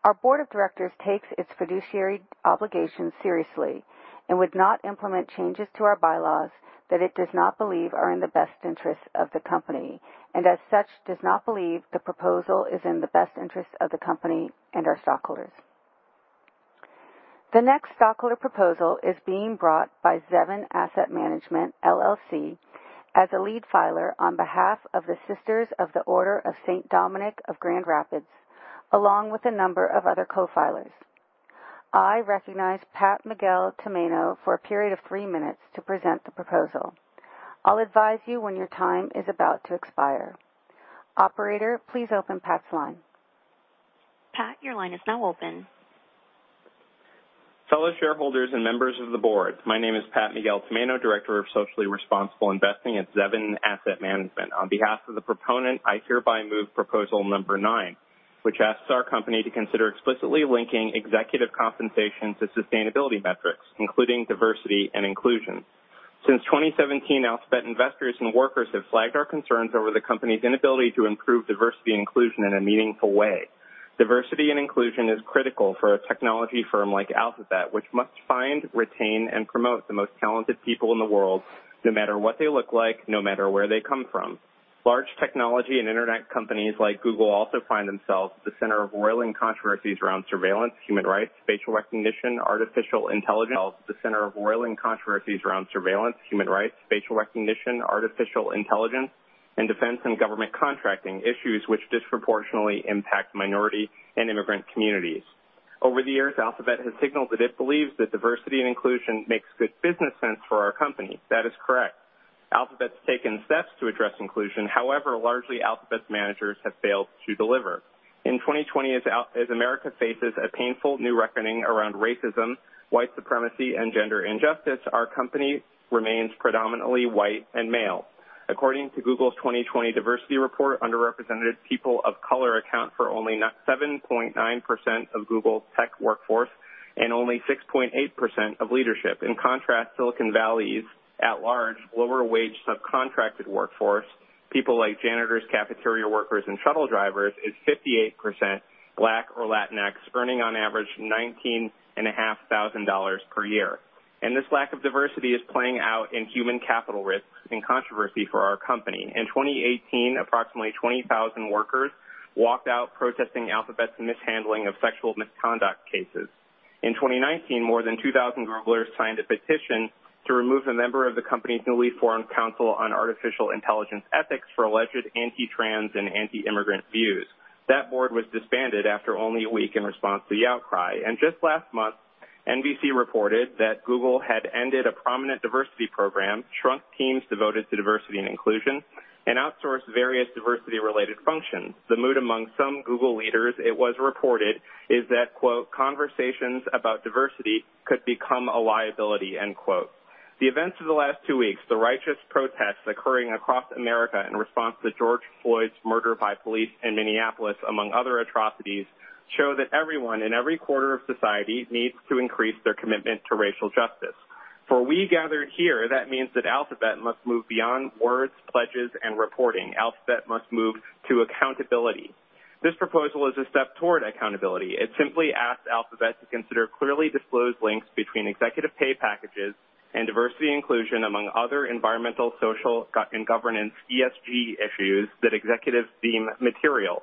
Our Board of Directors takes its fiduciary obligations seriously and would not implement changes to our bylaws that it does not believe are in the best interests of the company and, as such, does not believe the proposal is in the best interests of the company and our stockholders. The next stockholder proposal is being brought by Zevin Asset Management, LLC, as a lead filer on behalf of the Sisters of the Order of St. Dominic of Grand Rapids, along with a number of other co-filers. I recognize Pat Miguel Tomaino for a period of three minutes to present the proposal. I'll advise you when your time is about to expire. Operator, please open Pat's line. Pat, your line is now open. Fellow shareholders and members of the board, my name is Pat Miguel Tomaino, Director of Socially Responsible Investing at Zevin Asset Management. On behalf of the proponent, I hereby move proposal number nine, which asks our company to consider explicitly linking executive compensation to sustainability metrics, including diversity and inclusion. Since 2017, Alphabet investors and workers have flagged our concerns over the company's inability to improve diversity and inclusion in a meaningful way. Diversity and inclusion is critical for a technology firm like Alphabet, which must find, retain, and promote the most talented people in the world, no matter what they look like, no matter where they come from. Large technology and internet companies like Google also find themselves at the center of roiling controversies around surveillance, human rights, facial recognition, artificial intelligence, and defense and government contracting issues which disproportionately impact minority and immigrant communities. Over the years, Alphabet has signaled that it believes that diversity and inclusion makes good business sense for our company. That is correct. Alphabet's taken steps to address inclusion. However, largely, Alphabet's managers have failed to deliver. In 2020, as America faces a painful new reckoning around racism, white supremacy, and gender injustice, our company remains predominantly white and male. According to Google's 2020 diversity report, underrepresented people of color account for only 7.9% of Google's tech workforce and only 6.8% of leadership. In contrast, Silicon Valley's at-large, lower-wage subcontracted workforce, people like janitors, cafeteria workers, and shuttle drivers, is 58% Black or Latinx, earning on average $19,500 per year. And this lack of diversity is playing out in human capital risks and controversy for our company. In 2018, approximately 20,000 workers walked out protesting Alphabet's mishandling of sexual misconduct cases. In 2019, more than 2,000 Googlers signed a petition to remove a member of the company's newly formed council on artificial intelligence ethics for alleged anti-trans and anti-immigrant views. That board was disbanded after only a week in response to the outcry. And just last month, NBC reported that Google had ended a prominent diversity program, shrunk teams devoted to diversity and inclusion, and outsourced various diversity-related functions. The mood among some Google leaders, it was reported, is that, quote, "Conversations about diversity could become a liability," end quote. The events of the last two weeks, the righteous protests occurring across America in response to George Floyd's murder by police in Minneapolis, among other atrocities, show that everyone in every corner of society needs to increase their commitment to racial justice. For we gathered here, that means that Alphabet must move beyond words, pledges, and reporting. Alphabet must move to accountability. This proposal is a step toward accountability. It simply asks Alphabet to consider clearly disclosed links between executive pay packages and diversity inclusion among other environmental, social, and governance ESG issues that executives deem material.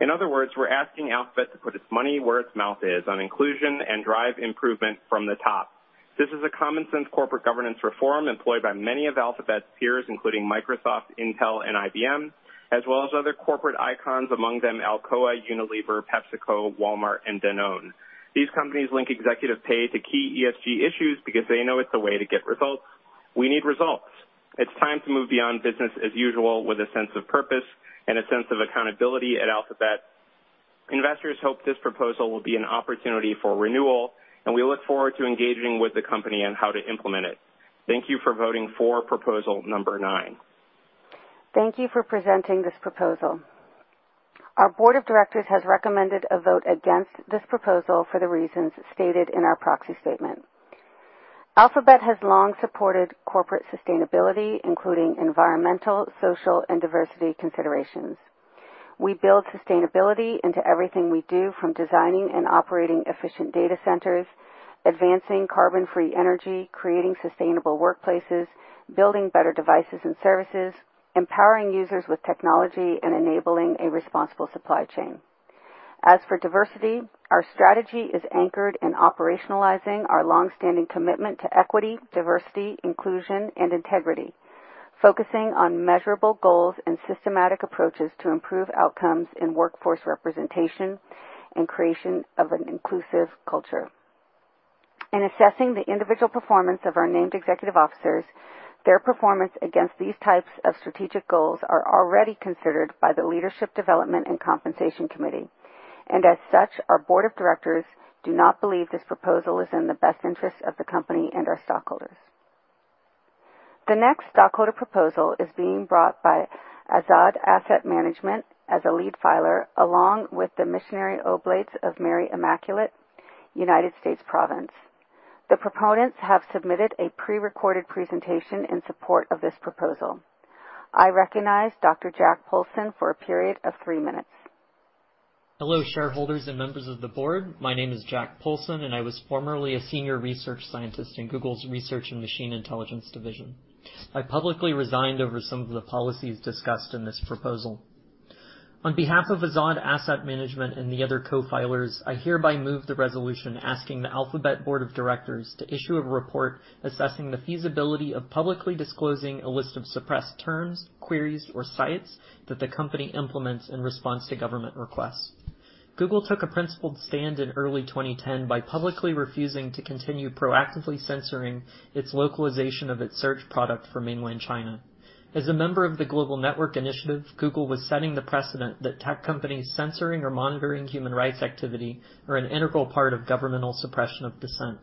In other words, we're asking Alphabet to put its money where its mouth is on inclusion and drive improvement from the top. This is a common-sense corporate governance reform employed by many of Alphabet's peers, including Microsoft, Intel, and IBM, as well as other corporate icons, among them Alcoa, Unilever, PepsiCo, Walmart, and Danone. These companies link executive pay to key ESG issues because they know it's a way to get results. We need results. It's time to move beyond business as usual with a sense of purpose and a sense of accountability at Alphabet. Investors hope this proposal will be an opportunity for renewal, and we look forward to engaging with the company on how to implement it. Thank you for voting for proposal number nine. Thank you for presenting this proposal. Our board of directors has recommended a vote against this proposal for the reasons stated in our proxy statement. Alphabet has long supported corporate sustainability, including environmental, social, and diversity considerations. We build sustainability into everything we do, from designing and operating efficient data centers, advancing carbon-free energy, creating sustainable workplaces, building better devices and services, empowering users with technology, and enabling a responsible supply chain. As for diversity, our strategy is anchored in operationalizing our long-standing commitment to equity, diversity, inclusion, and integrity, focusing on measurable goals and systematic approaches to improve outcomes in workforce representation and creation of an inclusive culture. In assessing the individual performance of our named executive officers, their performance against these types of strategic goals are already considered by the leadership development and compensation committee. As such, our board of directors do not believe this proposal is in the best interests of the company and our stockholders. The next stockholder proposal is being brought by Azzad Asset Management as a lead filer, along with the Missionary Oblates of Mary Immaculate, United States Province. The proponents have submitted a prerecorded presentation in support of this proposal. I recognize Dr. Jack Poulson for a period of three minutes. Hello, shareholders and members of the board. My name is Jack Poulson, and I was formerly a senior research scientist in Google's research and machine intelligence division. I publicly resigned over some of the policies discussed in this proposal. On behalf of Azzad Asset Management and the other co-filers, I hereby move the resolution asking the Alphabet Board of Directors to issue a report assessing the feasibility of publicly disclosing a list of suppressed terms, queries, or sites that the company implements in response to government requests. Google took a principled stand in early 2010 by publicly refusing to continue proactively censoring its localization of its search product for mainland China. As a member of the Global Network Initiative, Google was setting the precedent that tech companies censoring or monitoring human rights activity are an integral part of governmental suppression of dissent.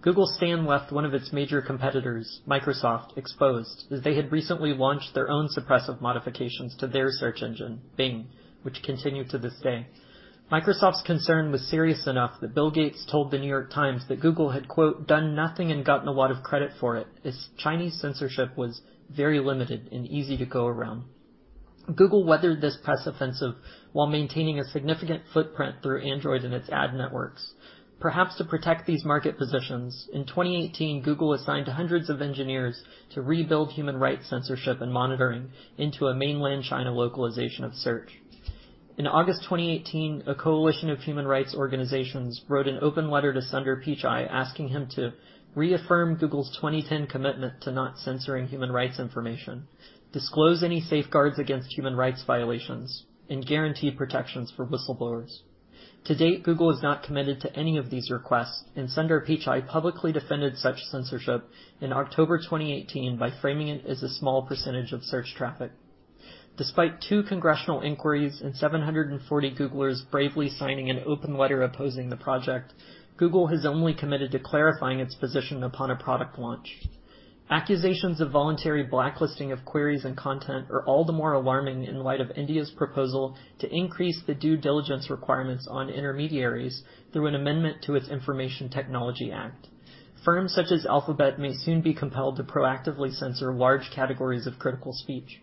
Google's stand left one of its major competitors, Microsoft, exposed, as they had recently launched their own suppressive modifications to their search engine, Bing, which continues to this day. Microsoft's concern was serious enough that Bill Gates told The New York Times that Google had, quote, "Done nothing and gotten a lot of credit for it," as Chinese censorship was very limited and easy to go around. Google weathered this press offensive while maintaining a significant footprint through Android and its ad networks. Perhaps to protect these market positions, in 2018, Google assigned hundreds of engineers to rebuild human rights censorship and monitoring into a mainland China localization of search. In August 2018, a coalition of human rights organizations wrote an open letter to Sundar Pichai asking him to reaffirm Google's 2010 commitment to not censoring human rights information, disclose any safeguards against human rights violations, and guarantee protections for whistleblowers. To date, Google has not committed to any of these requests, and Sundar Pichai publicly defended such censorship in October 2018 by framing it as a small percentage of search traffic. Despite two congressional inquiries and 740 Googlers bravely signing an open letter opposing the project, Google has only committed to clarifying its position upon a product launch. Accusations of voluntary blacklisting of queries and content are all the more alarming in light of India's proposal to increase the due diligence requirements on intermediaries through an amendment to its Information Technology Act. Firms such as Alphabet may soon be compelled to proactively censor large categories of critical speech.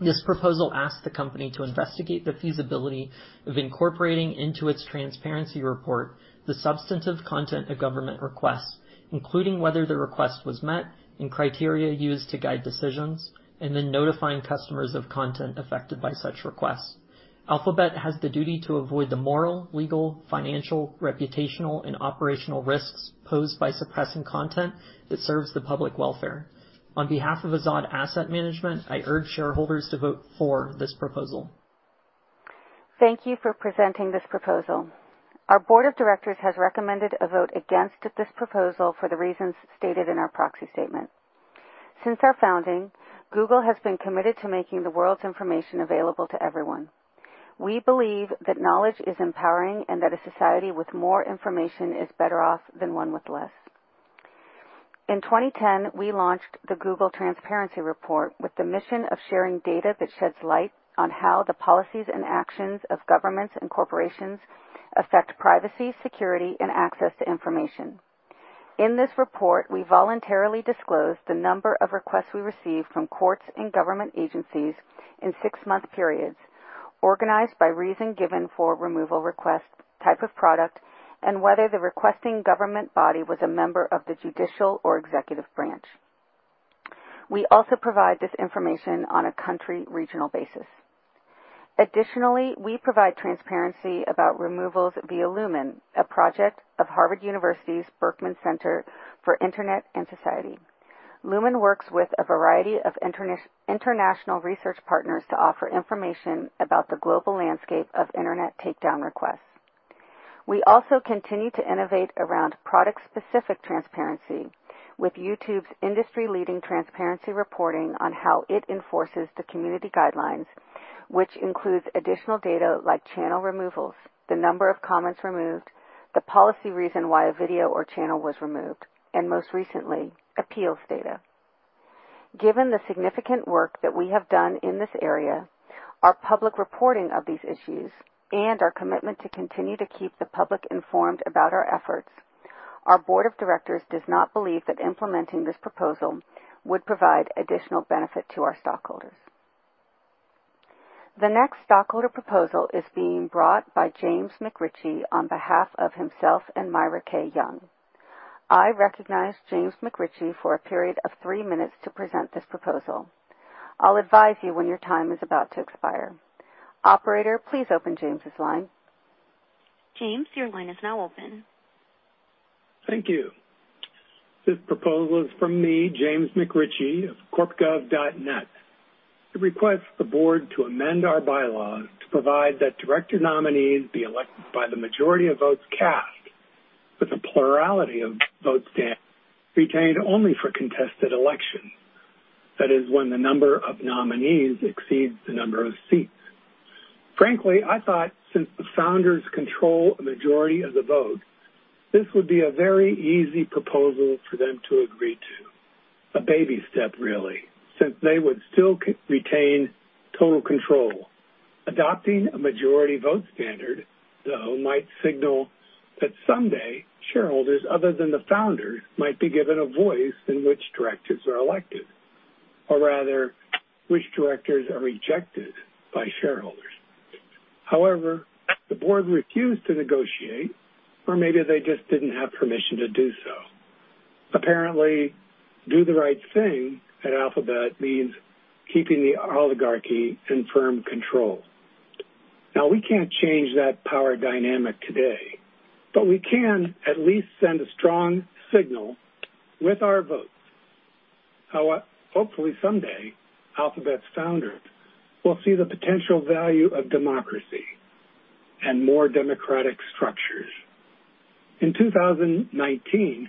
This proposal asks the company to investigate the feasibility of incorporating into its transparency report the substantive content of government requests, including whether the request was met and criteria used to guide decisions, and then notifying customers of content affected by such requests. Alphabet has the duty to avoid the moral, legal, financial, reputational, and operational risks posed by suppressing content that serves the public welfare. On behalf of Azzad Asset Management, I urge shareholders to vote for this proposal. Thank you for presenting this proposal. Our board of directors has recommended a vote against this proposal for the reasons stated in our proxy statement. Since our founding, Google has been committed to making the world's information available to everyone. We believe that knowledge is empowering and that a society with more information is better off than one with less. In 2010, we launched the Google Transparency Report with the mission of sharing data that sheds light on how the policies and actions of governments and corporations affect privacy, security, and access to information. In this report, we voluntarily disclosed the number of requests we received from courts and government agencies in six-month periods, organized by reason given for removal request, type of product, and whether the requesting government body was a member of the judicial or executive branch. We also provide this information on a country-regional basis. Additionally, we provide transparency about removals via Lumen, a project of Harvard University's Berkman Center for Internet and Society. Lumen works with a variety of international research partners to offer information about the global landscape of internet takedown requests. We also continue to innovate around product-specific transparency with YouTube's industry-leading transparency reporting on how it enforces the community guidelines, which includes additional data like channel removals, the number of comments removed, the policy reason why a video or channel was removed, and most recently, appeals data. Given the significant work that we have done in this area, our public reporting of these issues, and our commitment to continue to keep the public informed about our efforts, our board of directors does not believe that implementing this proposal would provide additional benefit to our stockholders. The next stockholder proposal is being brought by James McRitchie on behalf of himself and Myra K. Young. I recognize James McRitchie for a period of three minutes to present this proposal. I'll advise you when your time is about to expire. Operator, please open James's line. James, your line is now open. Thank you. This proposal is from me, James McRitchie of corpgov.net. It requests the board to amend our bylaws to provide that director nominees be elected by the majority of votes cast, with a plurality vote standard retained only for contested elections. That is, when the number of nominees exceeds the number of seats. Frankly, I thought since the founders control a majority of the vote, this would be a very easy proposal for them to agree to. A baby step, really, since they would still retain total control. Adopting a majority vote standard, though, might signal that someday shareholders other than the founders might be given a voice in which directors are elected, or rather, which directors are rejected by shareholders. However, the board refused to negotiate, or maybe they just didn't have permission to do so. Apparently, do the right thing at Alphabet means keeping the oligarchy in firm control. Now, we can't change that power dynamic today, but we can at least send a strong signal with our vote. However, hopefully someday, Alphabet's founders will see the potential value of democracy and more democratic structures. In 2019,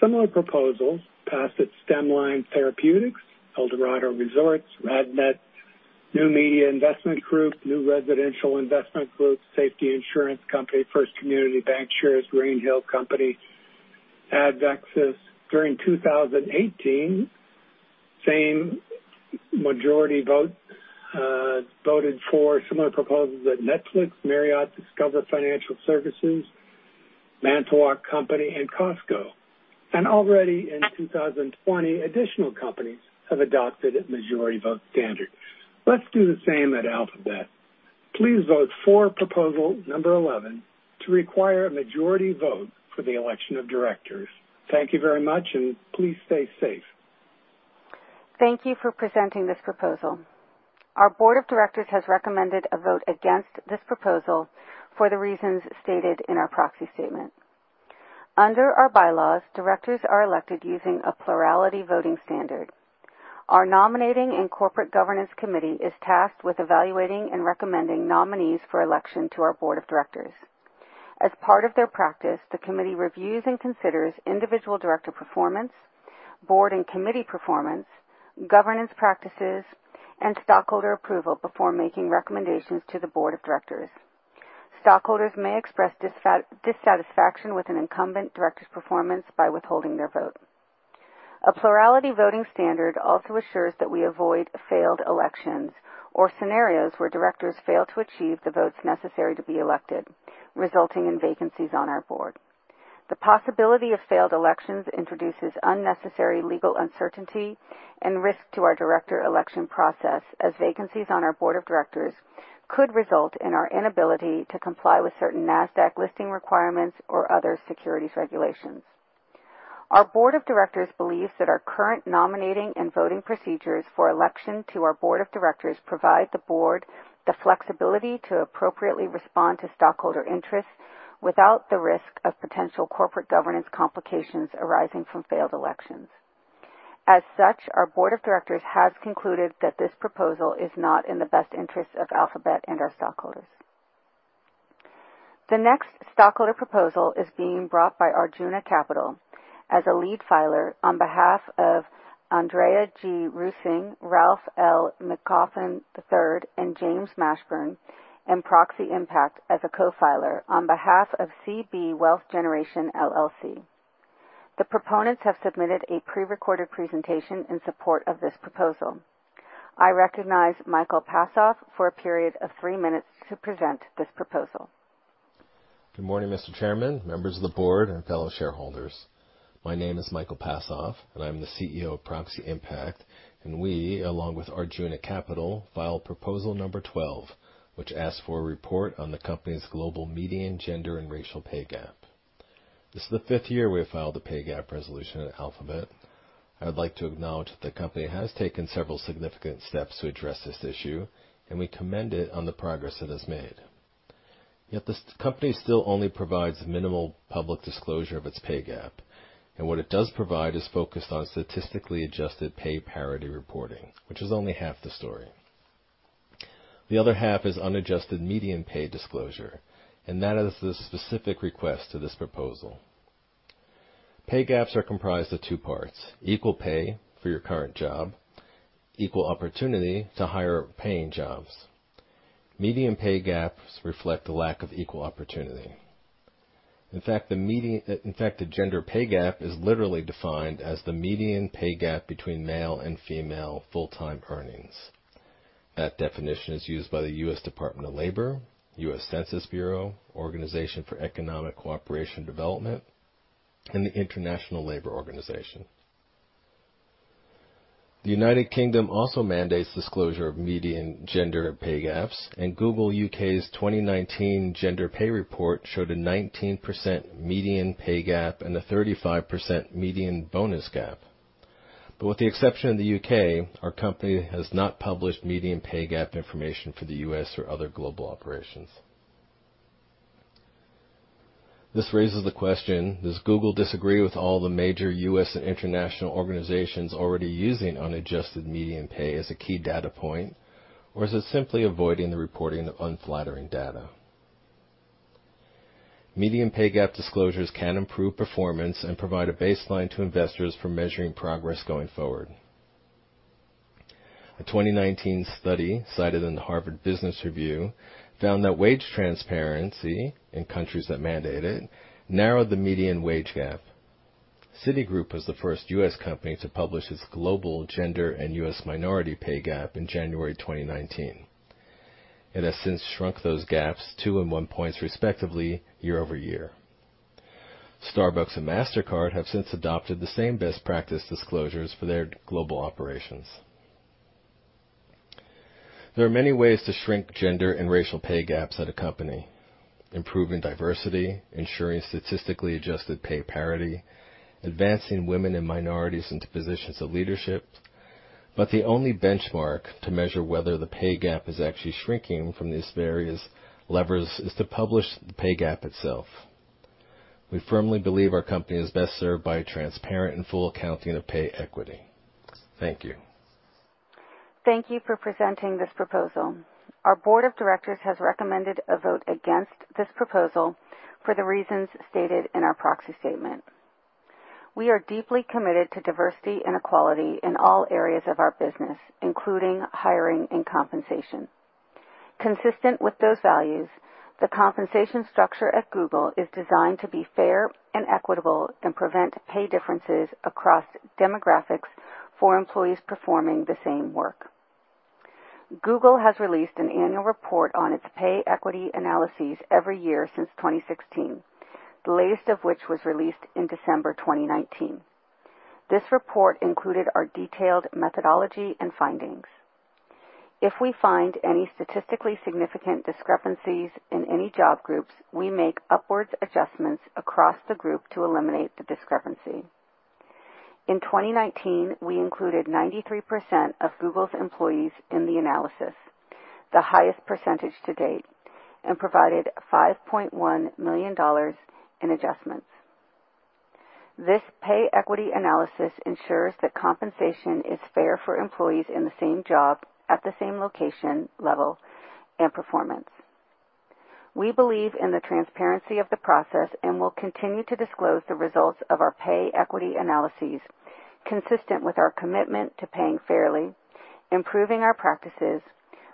similar proposals passed at Stemline Therapeutics, Eldorado Resorts, RadNet, New Media Investment Group, New Residential Investment Corp., Safety Insurance Group, First Community Bankshares, Greenhill & Co., Adverum. During 2018, same majority vote voted for similar proposals at Netflix, Marriott, Discover Financial Services, Manitowoc Company, and Costco. Already in 2020, additional companies have adopted a majority vote standard. Let's do the same at Alphabet. Please vote for proposal number 11 to require a majority vote for the election of directors. Thank you very much, and please stay safe. Thank you for presenting this proposal. Our board of directors has recommended a vote against this proposal for the reasons stated in our proxy statement. Under our bylaws, directors are elected using a plurality voting standard. Our nominating and corporate governance committee is tasked with evaluating and recommending nominees for election to our board of directors. As part of their practice, the committee reviews and considers individual director performance, board and committee performance, governance practices, and stockholder approval before making recommendations to the board of directors. Stockholders may express dissatisfaction with an incumbent director's performance by withholding their vote. A plurality voting standard also assures that we avoid failed elections or scenarios where directors fail to achieve the votes necessary to be elected, resulting in vacancies on our board. The possibility of failed elections introduces unnecessary legal uncertainty and risk to our director election process, as vacancies on our board of directors could result in our inability to comply with certain NASDAQ listing requirements or other securities regulations. Our board of directors believes that our current nominating and voting procedures for election to our board of directors provide the board the flexibility to appropriately respond to stockholder interests without the risk of potential corporate governance complications arising from failed elections. As such, our board of directors has concluded that this proposal is not in the best interests of Alphabet and our stockholders. The next stockholder proposal is being brought by Arjuna Capital as a lead filer on behalf of Andrea G. Reusing, Ralph L. McCaughan Jr. and James Mashburn, and Proxy Impact as a co-filer on behalf of CB Wealth Generation LLC. The proponents have submitted a prerecorded presentation in support of this proposal. I recognize Michael Passoff for a period of three minutes to present this proposal. Good morning, Mr. Chairman, members of the board, and fellow shareholders. My name is Michael Passoff, and I'm the CEO of Proxy Impact, and we, along with Arjuna Capital, filed proposal number 12, which asked for a report on the company's global median gender and racial pay gap. This is the fifth year we have filed a pay gap resolution at Alphabet. I would like to acknowledge that the company has taken several significant steps to address this issue, and we commend it on the progress it has made. Yet this company still only provides minimal public disclosure of its pay gap, and what it does provide is focused on statistically adjusted pay parity reporting, which is only half the story. The other half is unadjusted median pay disclosure, and that is the specific request to this proposal. Pay gaps are comprised of two parts: equal pay for your current job, equal opportunity to higher paying jobs. Median pay gaps reflect a lack of equal opportunity. In fact, the gender pay gap is literally defined as the median pay gap between male and female full-time earnings. That definition is used by the U.S. Department of Labor, U.S. Census Bureau, Organization for Economic Cooperation and Development, and the International Labor Organization. The United Kingdom also mandates disclosure of median gender pay gaps, and Google U.K.'s 2019 gender pay report showed a 19% median pay gap and a 35% median bonus gap. But with the exception of the U.K., our company has not published median pay gap information for the U.S. or other global operations. This raises the question: Does Google disagree with all the major U.S. and international organizations already using unadjusted median pay as a key data point, or is it simply avoiding the reporting of unflattering data? Median pay gap disclosures can improve performance and provide a baseline to investors for measuring progress going forward. A 2019 study cited in the Harvard Business Review found that wage transparency in countries that mandate it narrowed the median wage gap. Citigroup was the first U.S. company to publish its global gender and U.S. minority pay gap in January 2019. It has since shrunk those gaps two and one points respectively year over year. Starbucks and Mastercard have since adopted the same best practice disclosures for their global operations. There are many ways to shrink gender and racial pay gaps at a company: improving diversity, ensuring statistically adjusted pay parity, advancing women and minorities into positions of leadership. But the only benchmark to measure whether the pay gap is actually shrinking from these various levers is to publish the pay gap itself. We firmly believe our company is best served by a transparent and full accounting of pay equity. Thank you. Thank you for presenting this proposal. Our board of directors has recommended a vote against this proposal for the reasons stated in our proxy statement. We are deeply committed to diversity and equality in all areas of our business, including hiring and compensation. Consistent with those values, the compensation structure at Google is designed to be fair and equitable and prevent pay differences across demographics for employees performing the same work. Google has released an annual report on its pay equity analyses every year since 2016, the latest of which was released in December 2019. This report included our detailed methodology and findings. If we find any statistically significant discrepancies in any job groups, we make upwards adjustments across the group to eliminate the discrepancy. In 2019, we included 93% of Google's employees in the analysis, the highest percentage to date, and provided $5.1 million in adjustments. This pay equity analysis ensures that compensation is fair for employees in the same job at the same location level and performance. We believe in the transparency of the process and will continue to disclose the results of our pay equity analyses consistent with our commitment to paying fairly, improving our practices,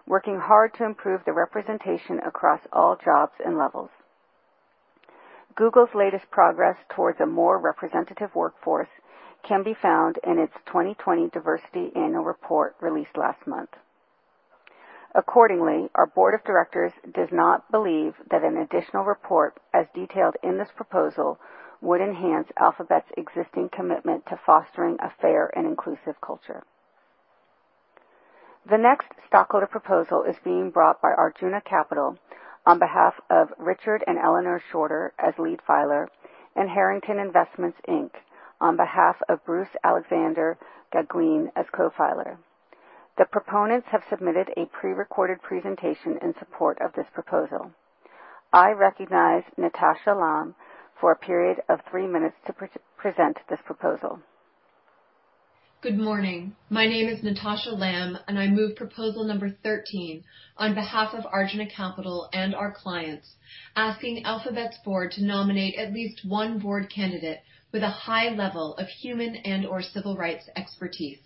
working hard to improve the representation across all jobs and levels. Google's latest progress towards a more representative workforce can be found in its 2020 diversity annual report released last month. Accordingly, our board of directors does not believe that an additional report as detailed in this proposal would enhance Alphabet's existing commitment to fostering a fair and inclusive culture. The next stockholder proposal is being brought by Arjuna Capital on behalf of Richard and Eleanor Shorter as lead filer, and Harrington Investments, Inc., on behalf of Bruce Alexander Magowan as co-filer. The proponents have submitted a prerecorded presentation in support of this proposal. I recognize Natasha Lamb for a period of three minutes to present this proposal. Good morning. My name is Natasha Lamb, and I move proposal number 13 on behalf of Arjuna Capital and our clients, asking Alphabet's board to nominate at least one board candidate with a high level of human and/or civil rights expertise.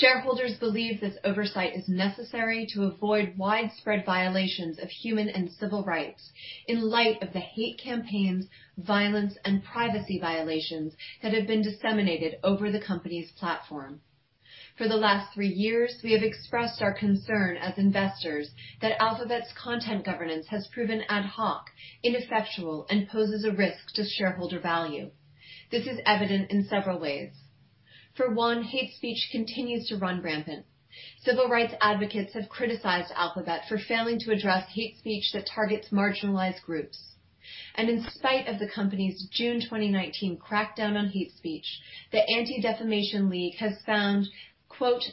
Shareholders believe this oversight is necessary to avoid widespread violations of human and civil rights in light of the hate campaigns, violence, and privacy violations that have been disseminated over the company's platform. For the last three years, we have expressed our concern as investors that Alphabet's content governance has proven ad hoc, ineffectual, and poses a risk to shareholder value. This is evident in several ways. For one, hate speech continues to run rampant. Civil rights advocates have criticized Alphabet for failing to address hate speech that targets marginalized groups, and in spite of the company's June 2019 crackdown on hate speech, the Anti-Defamation League has found,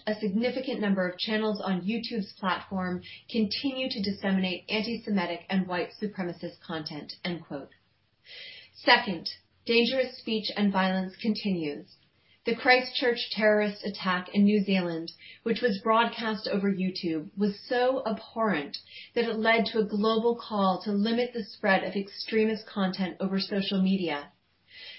“A significant number of channels on YouTube's platform continue to disseminate anti-Semitic and white supremacist content,” end quote. Second, dangerous speech and violence continues. The Christchurch terrorist attack in New Zealand, which was broadcast over YouTube, was so abhorrent that it led to a global call to limit the spread of extremist content over social media.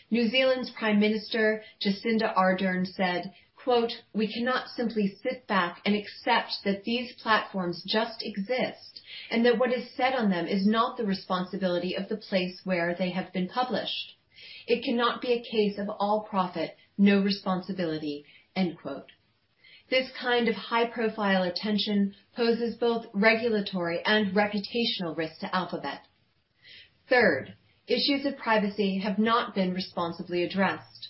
New Zealand's Prime Minister, Jacinda Ardern, said, quote, "We cannot simply sit back and accept that these platforms just exist and that what is said on them is not the responsibility of the place where they have been published. It cannot be a case of all profit, no responsibility," end quote. This kind of high-profile attention poses both regulatory and reputational risks to Alphabet. Third, issues of privacy have not been responsibly addressed.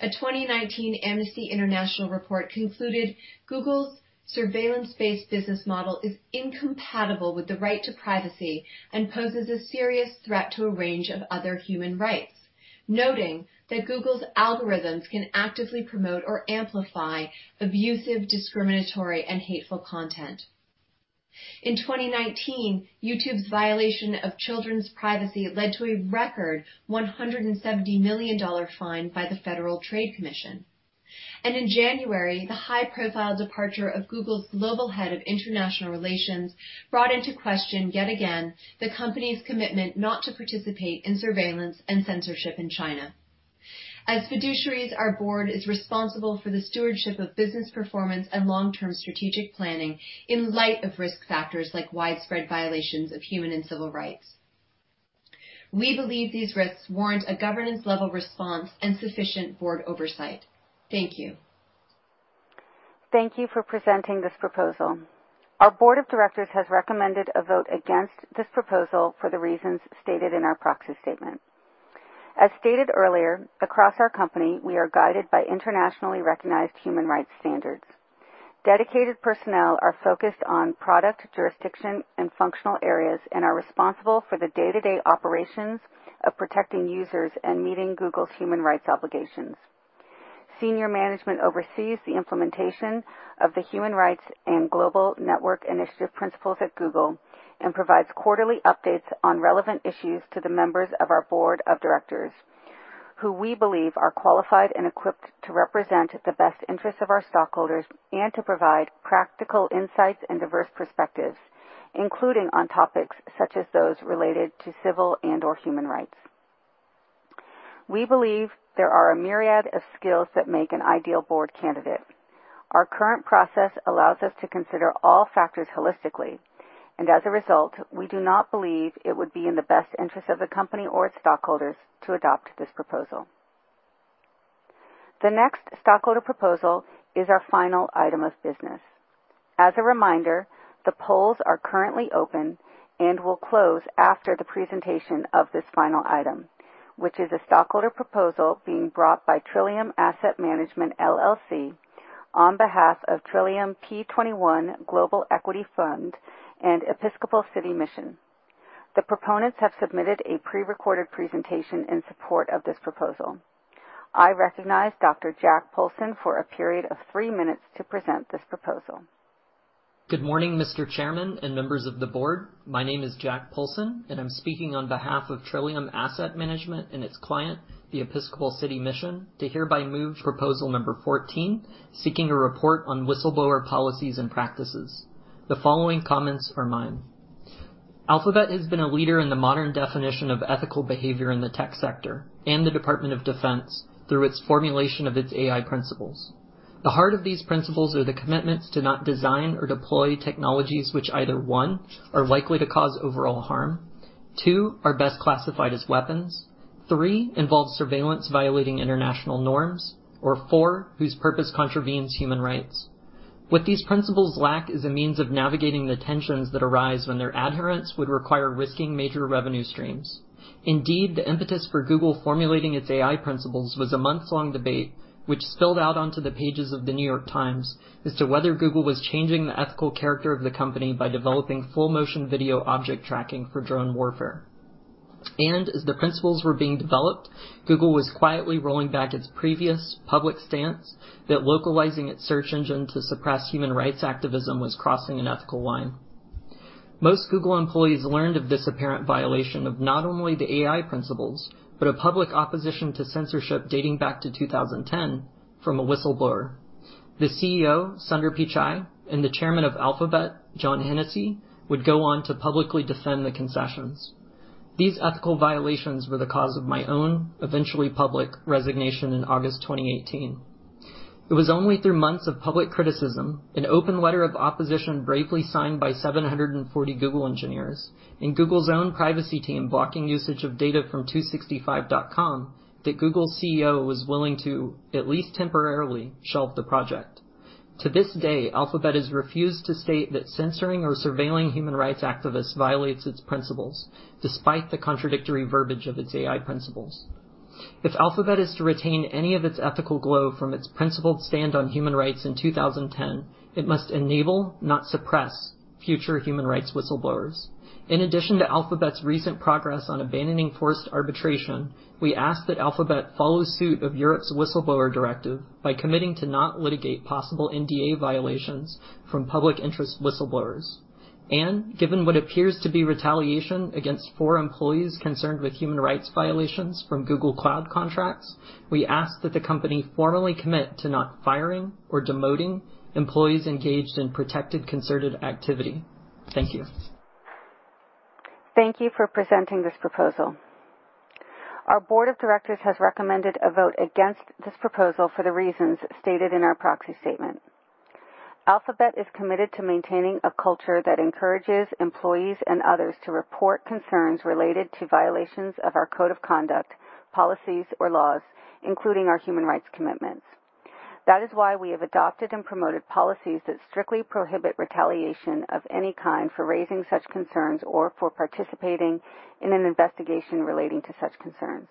A 2019 Amnesty International report concluded Google's surveillance-based business model is incompatible with the right to privacy and poses a serious threat to a range of other human rights, noting that Google's algorithms can actively promote or amplify abusive, discriminatory, and hateful content. In 2019, YouTube's violation of children's privacy led to a record $170 million fine by the Federal Trade Commission, and in January, the high-profile departure of Google's global head of international relations brought into question yet again the company's commitment not to participate in surveillance and censorship in China. As fiduciaries, our board is responsible for the stewardship of business performance and long-term strategic planning in light of risk factors like widespread violations of human and civil rights. We believe these risks warrant a governance-level response and sufficient board oversight. Thank you. Thank you for presenting this proposal. Our board of directors has recommended a vote against this proposal for the reasons stated in our proxy statement. As stated earlier, across our company, we are guided by internationally recognized human rights standards. Dedicated personnel are focused on product jurisdiction and functional areas and are responsible for the day-to-day operations of protecting users and meeting Google's human rights obligations. Senior management oversees the implementation of the human rights and global network initiative principles at Google and provides quarterly updates on relevant issues to the members of our board of directors, who we believe are qualified and equipped to represent the best interests of our stockholders and to provide practical insights and diverse perspectives, including on topics such as those related to civil and/or human rights. We believe there are a myriad of skills that make an ideal board candidate. Our current process allows us to consider all factors holistically, and as a result, we do not believe it would be in the best interest of the company or its stockholders to adopt this proposal. The next stockholder proposal is our final item of business. As a reminder, the polls are currently open and will close after the presentation of this final item, which is a stockholder proposal being brought by Trillium Asset Management LLC on behalf of Trillium P21 Global Equity Fund and Episcopal City Mission. The proponents have submitted a prerecorded presentation in support of this proposal. I recognize Dr. Jack Poulson for a period of three minutes to present this proposal. Good morning, Mr. Chairman and members of the board. My name is Jack Poulson, and I'm speaking on behalf of Trillium Asset Management and its client, the Episcopal City Mission, to hereby move proposal number 14, seeking a report on whistleblower policies and practices. The following comments are mine. Alphabet has been a leader in the modern definition of ethical behavior in the tech sector and the Department of Defense through its formulation of its AI principles. The heart of these principles are the commitments to not design or deploy technologies which either, one, are likely to cause overall harm, two, are best classified as weapons, three, involve surveillance violating international norms, or four, whose purpose contravenes human rights. What these principles lack is a means of navigating the tensions that arise when their adherence would require risking major revenue streams. Indeed, the impetus for Google formulating its AI principles was a months-long debate which spilled out onto the pages of the New York Times as to whether Google was changing the ethical character of the company by developing full-motion video object tracking for drone warfare. As the principles were being developed, Google was quietly rolling back its previous public stance that localizing its search engine to suppress human rights activism was crossing an ethical line. Most Google employees learned of this apparent violation of not only the AI principles but a public opposition to censorship dating back to 2010 from a whistleblower. The CEO, Sundar Pichai, and the Chairman of Alphabet, John Hennessy, would go on to publicly defend the concessions. These ethical violations were the cause of my own, eventually public, resignation in August 2018. It was only through months of public criticism, an open letter of opposition bravely signed by 740 Google engineers, and Google's own privacy team blocking usage of data from 265.com that Google's CEO was willing to, at least temporarily, shelf the project. To this day, Alphabet has refused to state that censoring or surveilling human rights activists violates its principles despite the contradictory verbiage of its AI principles. If Alphabet is to retain any of its ethical glow from its principled stand on human rights in 2010, it must enable, not suppress, future human rights whistleblowers. In addition to Alphabet's recent progress on abandoning forced arbitration, we ask that Alphabet follow suit of Europe's whistleblower directive by committing to not litigate possible NDA violations from public interest whistleblowers. And given what appears to be retaliation against four employees concerned with human rights violations from Google Cloud contracts, we ask that the company formally commit to not firing or demoting employees engaged in protected concerted activity. Thank you. Thank you for presenting this proposal. Our board of directors has recommended a vote against this proposal for the reasons stated in our proxy statement. Alphabet is committed to maintaining a culture that encourages employees and others to report concerns related to violations of our code of conduct, policies, or laws, including our human rights commitments. That is why we have adopted and promoted policies that strictly prohibit retaliation of any kind for raising such concerns or for participating in an investigation relating to such concerns.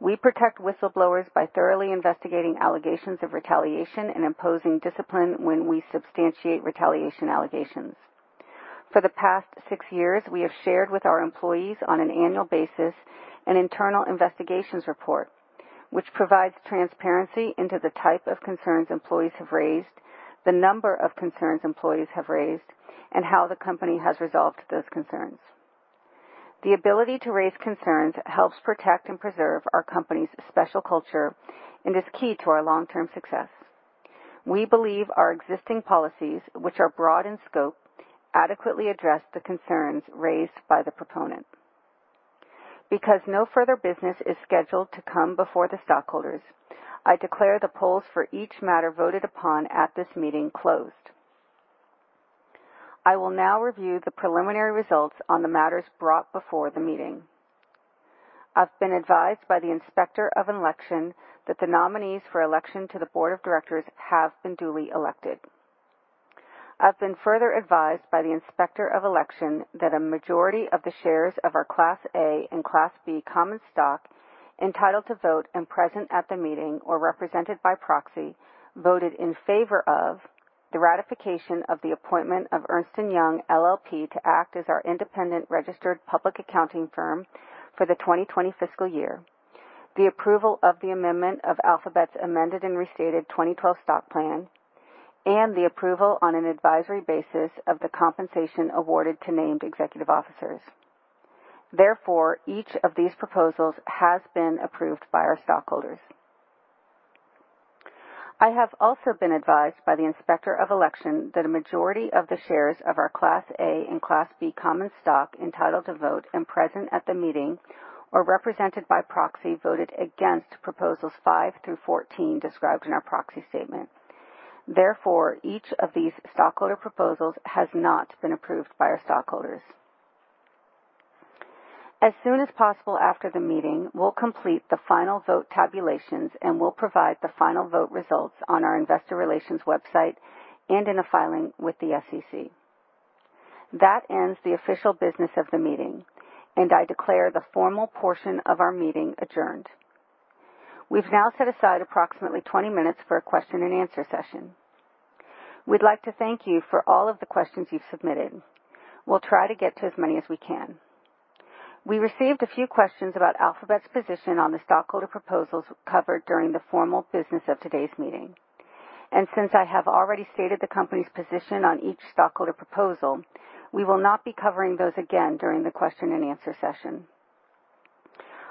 We protect whistleblowers by thoroughly investigating allegations of retaliation and imposing discipline when we substantiate retaliation allegations. For the past six years, we have shared with our employees on an annual basis an internal investigations report which provides transparency into the type of concerns employees have raised, the number of concerns employees have raised, and how the company has resolved those concerns. The ability to raise concerns helps protect and preserve our company's special culture and is key to our long-term success. We believe our existing policies, which are broad in scope, adequately address the concerns raised by the proponent. Because no further business is scheduled to come before the stockholders, I declare the polls for each matter voted upon at this meeting closed. I will now review the preliminary results on the matters brought before the meeting. I've been advised by the inspector of election that the nominees for election to the board of directors have been duly elected. I've been further advised by the inspector of election that a majority of the shares of our Class A and Class B common stock entitled to vote and present at the meeting or represented by proxy voted in favor of the ratification of the appointment of Ernst & Young LLP to act as our independent registered public accounting firm for the 2020 fiscal year, the approval of the amendment of Alphabet's amended and restated 2012 stock plan, and the approval on an advisory basis of the compensation awarded to named executive officers. Therefore, each of these proposals has been approved by our stockholders. I have also been advised by the inspector of election that a majority of the shares of our Class A and Class B common stock entitled to vote and present at the meeting or represented by proxy voted against proposals 5 through 14 described in our proxy statement. Therefore, each of these stockholder proposals has not been approved by our stockholders. As soon as possible after the meeting, we'll complete the final vote tabulations and we'll provide the final vote results on our investor relations website and in a filing with the SEC. That ends the official business of the meeting, and I declare the formal portion of our meeting adjourned. We've now set aside approximately 20 minutes for a question-and-answer session. We'd like to thank you for all of the questions you've submitted. We'll try to get to as many as we can. We received a few questions about Alphabet's position on the stockholder proposals covered during the formal business of today's meeting, and since I have already stated the company's position on each stockholder proposal, we will not be covering those again during the question-and-answer session.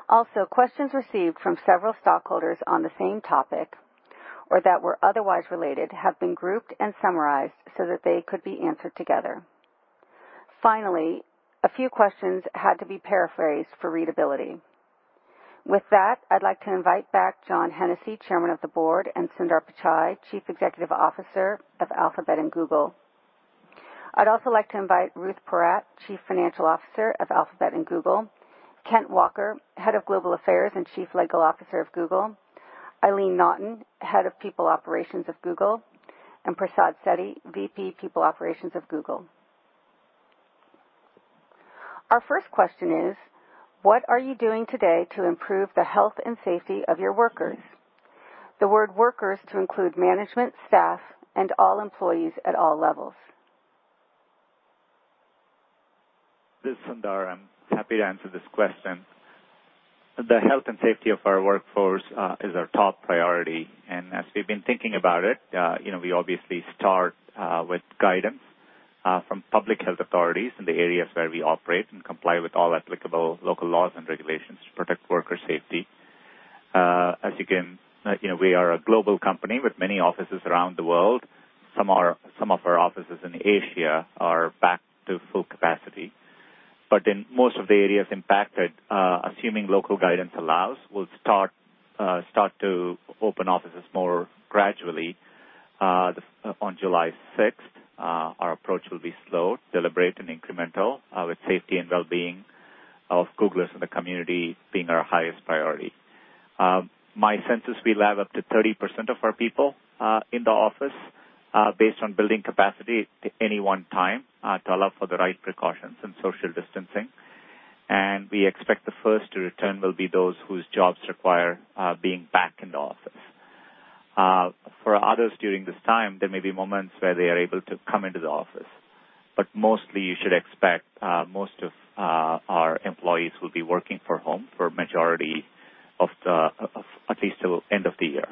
Also, questions received from several stockholders on the same topic or that were otherwise related have been grouped and summarized so that they could be answered together. Finally, a few questions had to be paraphrased for readability. With that, I'd like to invite back John Hennessy, Chairman of the Board, and Sundar Pichai, Chief Executive Officer of Alphabet and Google. I'd also like to invite Ruth Porat, Chief Financial Officer of Alphabet and Google, Kent Walker, Head of Global Affairs and Chief Legal Officer of Google, Eileen Naughton, Head of People Operations of Google, and Prasad Setty, VP, People Operations of Google. Our first question is, what are you doing today to improve the health and safety of your workers? The word workers to include management, staff, and all employees at all levels. This is Sundar. I'm happy to answer this question. The health and safety of our workforce is our top priority, and as we've been thinking about it, we obviously start with guidance from public health authorities in the areas where we operate and comply with all applicable local laws and regulations to protect worker safety. As you can, we are a global company with many offices around the world. Some of our offices in Asia are back to full capacity, but in most of the areas impacted, assuming local guidance allows, we'll start to open offices more gradually. On July 6th, our approach will be slow, deliberate, and incremental with safety and well-being of Googlers in the community being our highest priority. My sense is we'll have up to 30% of our people in the office based on building capacity at any one time to allow for the right precautions and social distancing, and we expect the first to return will be those whose jobs require being back in the office. For others during this time, there may be moments where they are able to come into the office, but mostly, you should expect most of our employees will be working from home for the majority of at least till the end of the year.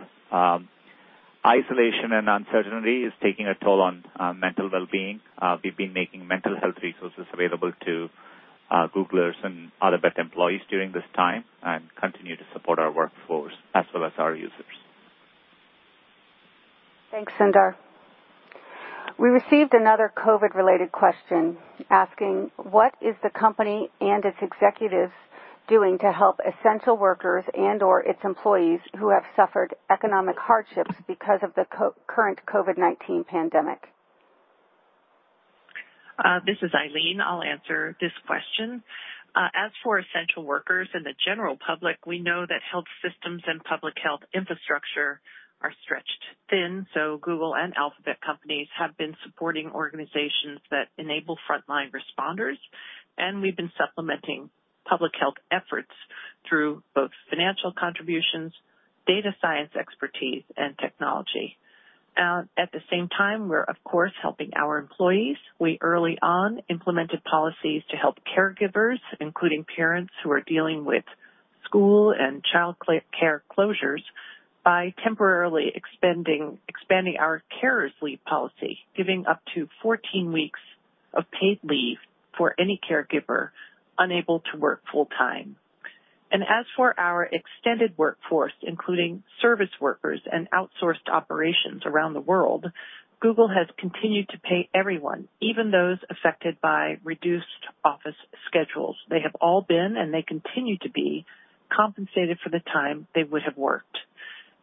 Isolation and uncertainty is taking a toll on mental well-being. We've been making mental health resources available to Googlers and other employees during this time and continue to support our workforce as well as our users. Thanks, Sundar. We received another COVID-related question asking, what is the company and its executives doing to help essential workers and/or its employees who have suffered economic hardships because of the current COVID-19 pandemic? This is Eileen. I'll answer this question. As for essential workers and the general public, we know that health systems and public health infrastructure are stretched thin. So Google and Alphabet companies have been supporting organizations that enable frontline responders. And we've been supplementing public health efforts through both financial contributions, data science expertise, and technology. At the same time, we're, of course, helping our employees. We early on implemented policies to help caregivers, including parents who are dealing with school and childcare closures, by temporarily expanding our carers' leave policy, giving up to 14 weeks of paid leave for any caregiver unable to work full-time. And as for our extended workforce, including service workers and outsourced operations around the world, Google has continued to pay everyone, even those affected by reduced office schedules. They have all been, and they continue to be, compensated for the time they would have worked.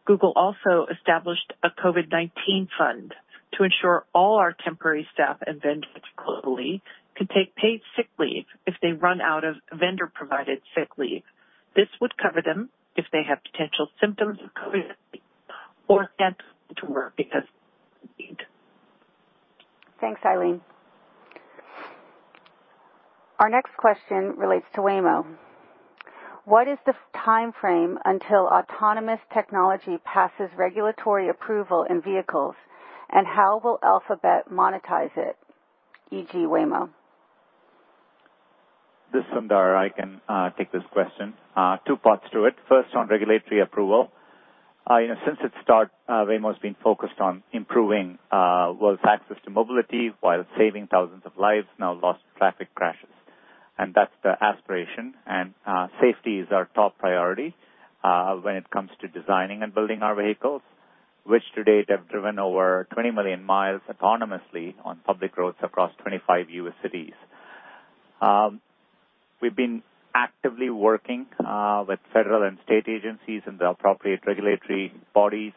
Google also established a COVID-19 fund to ensure all our temporary staff and vendors globally can take paid sick leave if they run out of vendor-provided sick leave. This would cover them if they have potential symptoms of COVID-19 or can't come to work because of sick leave. Thanks, Eileen. Our next question relates to Waymo. What is the time frame until autonomous technology passes regulatory approval in vehicles, and how will Alphabet monetize it, e.g., Waymo? This is Sundar. I can take this question. Two parts to it. First, on regulatory approval. Since its start, Waymo has been focused on improving the world's access to mobility while saving thousands of lives lost in traffic crashes. That's the aspiration. Safety is our top priority when it comes to designing and building our vehicles, which to date have driven over 20 million miles autonomously on public roads across 25 U.S. cities. We've been actively working with federal and state agencies and the appropriate regulatory bodies.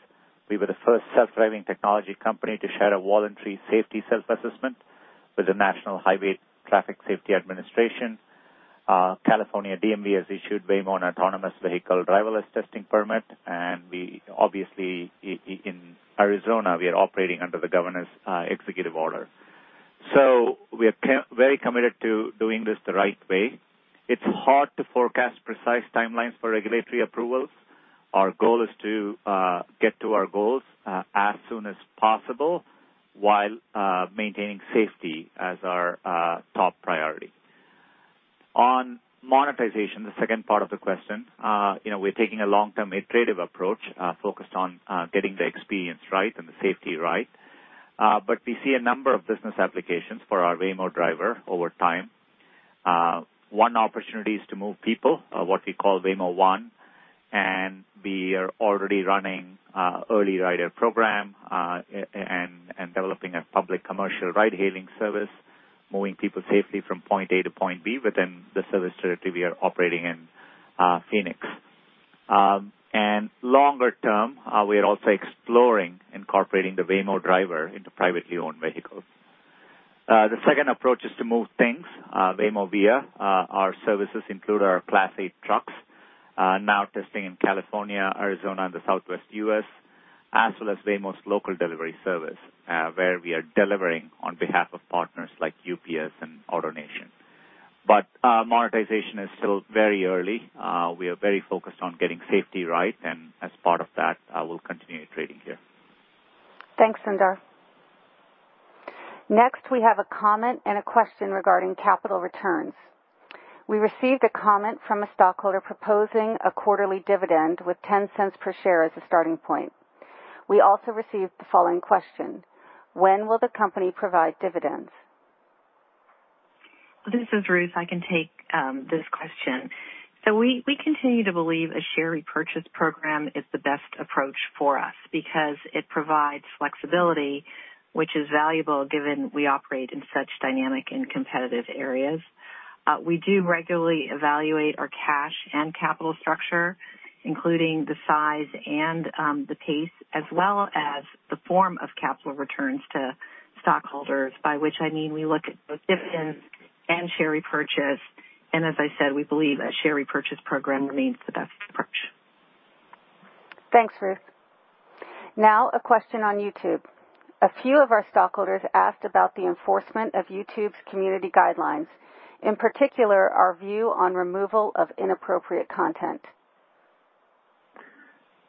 We were the first self-driving technology company to share a voluntary safety self-assessment with the National Highway Traffic Safety Administration. California DMV has issued Waymo an autonomous vehicle driverless testing permit. Obviously, in Arizona, we are operating under the governor's executive order. We are very committed to doing this the right way. It's hard to forecast precise timelines for regulatory approvals. Our goal is to get to our goals as soon as possible while maintaining safety as our top priority. On monetization, the second part of the question, we're taking a long-term iterative approach focused on getting the experience right and the safety right. We see a number of business applications for our Waymo driver over time. One opportunity is to move people, what we call Waymo One. We are already running an early rider program and developing a public commercial ride-hailing service, moving people safely from point A to point B within the service territory we are operating in Phoenix. Longer term, we are also exploring incorporating the Waymo driver into privately owned vehicles. The second approach is to move things Waymo Via. Our services include our Class A trucks, now testing in California, Arizona, and the Southwest US, as well as Waymo's local delivery service where we are delivering on behalf of partners like UPS and AutoNation. But monetization is still very early. We are very focused on getting safety right. And as part of that, we'll continue iterating here. Thanks, Sundar. Next, we have a comment and a question regarding capital returns. We received a comment from a stockholder proposing a quarterly dividend with $0.10 per share as a starting point. We also received the following question: When will the company provide dividends? This is Ruth. I can take this question. So we continue to believe a share repurchase program is the best approach for us because it provides flexibility, which is valuable given we operate in such dynamic and competitive areas. We do regularly evaluate our cash and capital structure, including the size and the pace, as well as the form of capital returns to stockholders, by which I mean we look at both dividends and share repurchase. And as I said, we believe a share repurchase program remains the best approach. Thanks, Ruth. Now, a question on YouTube. A few of our stockholders asked about the enforcement of YouTube's community guidelines, in particular our view on removal of inappropriate content.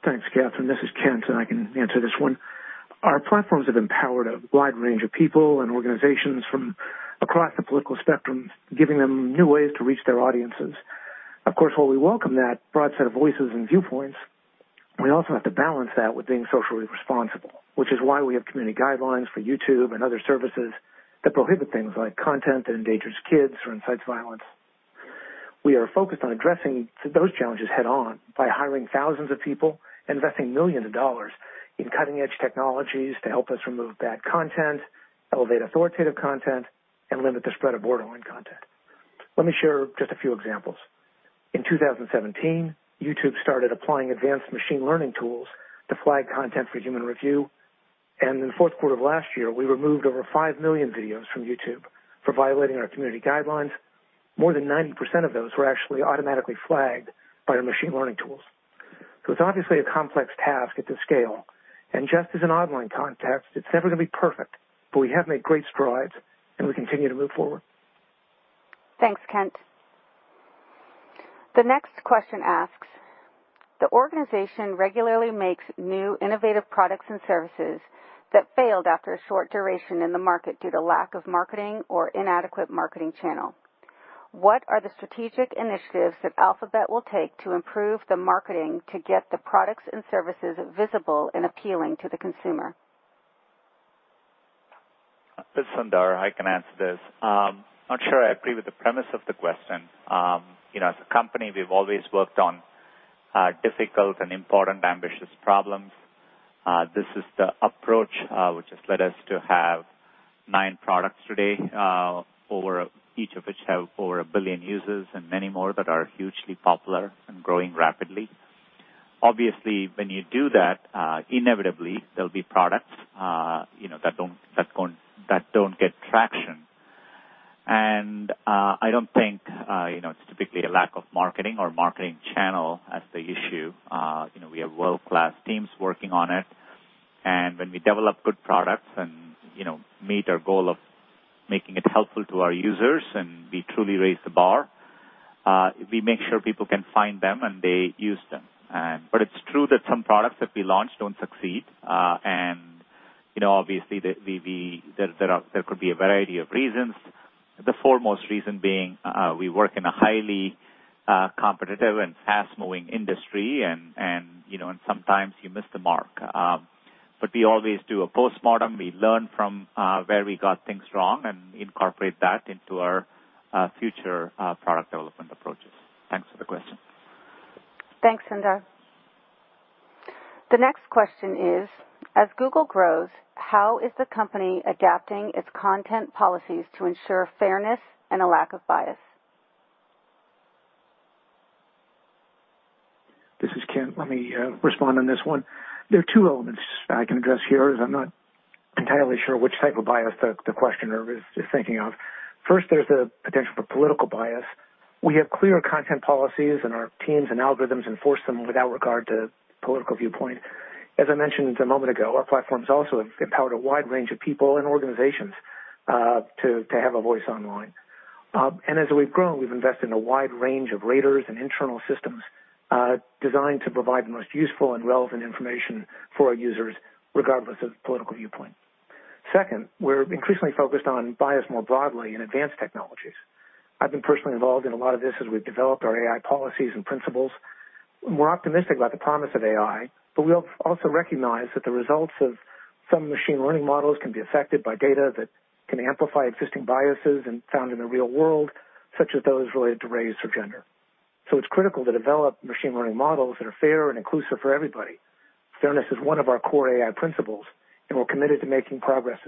Thanks, Kathryn. This is Kent, and I can answer this one. Our platforms have empowered a wide range of people and organizations from across the political spectrum, giving them new ways to reach their audiences. Of course, while we welcome that broad set of voices and viewpoints, we also have to balance that with being socially responsible, which is why we have community guidelines for YouTube and other services that prohibit things like content that endangers kids or incites violence. We are focused on addressing those challenges head-on by hiring thousands of people and investing millions of dollars in cutting-edge technologies to help us remove bad content, elevate authoritative content, and limit the spread of borderline content. Let me share just a few examples. In 2017, YouTube started applying advanced machine learning tools to flag content for human review, and in the fourth quarter of last year, we removed over five million videos from YouTube for violating our community guidelines. More than 90% of those were actually automatically flagged by our machine learning tools, so it's obviously a complex task at this scale. Just as in an online context, it's never going to be perfect. But we have made great strides, and we continue to move forward. Thanks, Kent. The next question asks, the organization regularly makes new innovative products and services that failed after a short duration in the market due to lack of marketing or inadequate marketing channel. What are the strategic initiatives that Alphabet will take to improve the marketing to get the products and services visible and appealing to the consumer? This is Sundar. I can answer this. I'm sure I agree with the premise of the question. As a company, we've always worked on difficult and important ambitious problems. This is the approach which has led us to have nine products today, each of which have over a billion users and many more that are hugely popular and growing rapidly. Obviously, when you do that, inevitably, there'll be products that don't get traction. And I don't think it's typically a lack of marketing or marketing channel as the issue. We have world-class teams working on it. And when we develop good products and meet our goal of making it helpful to our users and we truly raise the bar, we make sure people can find them and they use them. But it's true that some products that we launch don't succeed. And obviously, there could be a variety of reasons, the foremost reason being we work in a highly competitive and fast-moving industry, and sometimes you miss the mark. But we always do a postmortem. We learn from where we got things wrong and incorporate that into our future product development approaches. Thanks for the question. Thanks, Sundar. The next question is, as Google grows, how is the company adapting its content policies to ensure fairness and a lack of bias? This is Kent. Let me respond on this one. There are two elements I can address here, as I'm not entirely sure which type of bias the questioner is thinking of. First, there's the potential for political bias. We have clear content policies, and our teams and algorithms enforce them without regard to political viewpoint. As I mentioned a moment ago, our platforms also have empowered a wide range of people and organizations to have a voice online. And as we've grown, we've invested in a wide range of raters and internal systems designed to provide the most useful and relevant information for our users, regardless of political viewpoint. Second, we're increasingly focused on bias more broadly in advanced technologies. I've been personally involved in a lot of this as we've developed our AI policies and principles. We're optimistic about the promise of AI, but we also recognize that the results of some machine learning models can be affected by data that can amplify existing biases found in the real world, such as those related to race or gender. So it's critical to develop machine learning models that are fair and inclusive for everybody. Fairness is one of our core AI principles, and we're committed to making progress.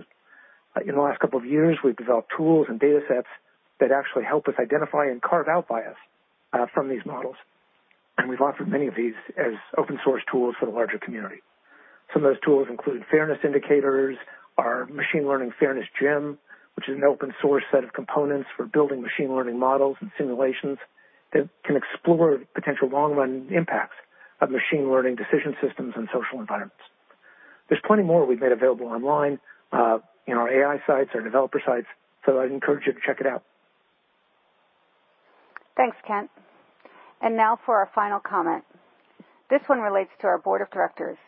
In the last couple of years, we've developed tools and data sets that actually help us identify and carve out bias from these models, and we've offered many of these as open-source tools for the larger community. Some of those tools include Fairness Indicators, our machine learning Fairness Gym, which is an open-source set of components for building machine learning models and simulations that can explore potential long-run impacts of machine learning decision systems and social environments. There's plenty more we've made available online in our AI sites or developer sites. So I'd encourage you to check it out. Thanks, Kent. And now for our final comment. This one relates to our board of directors.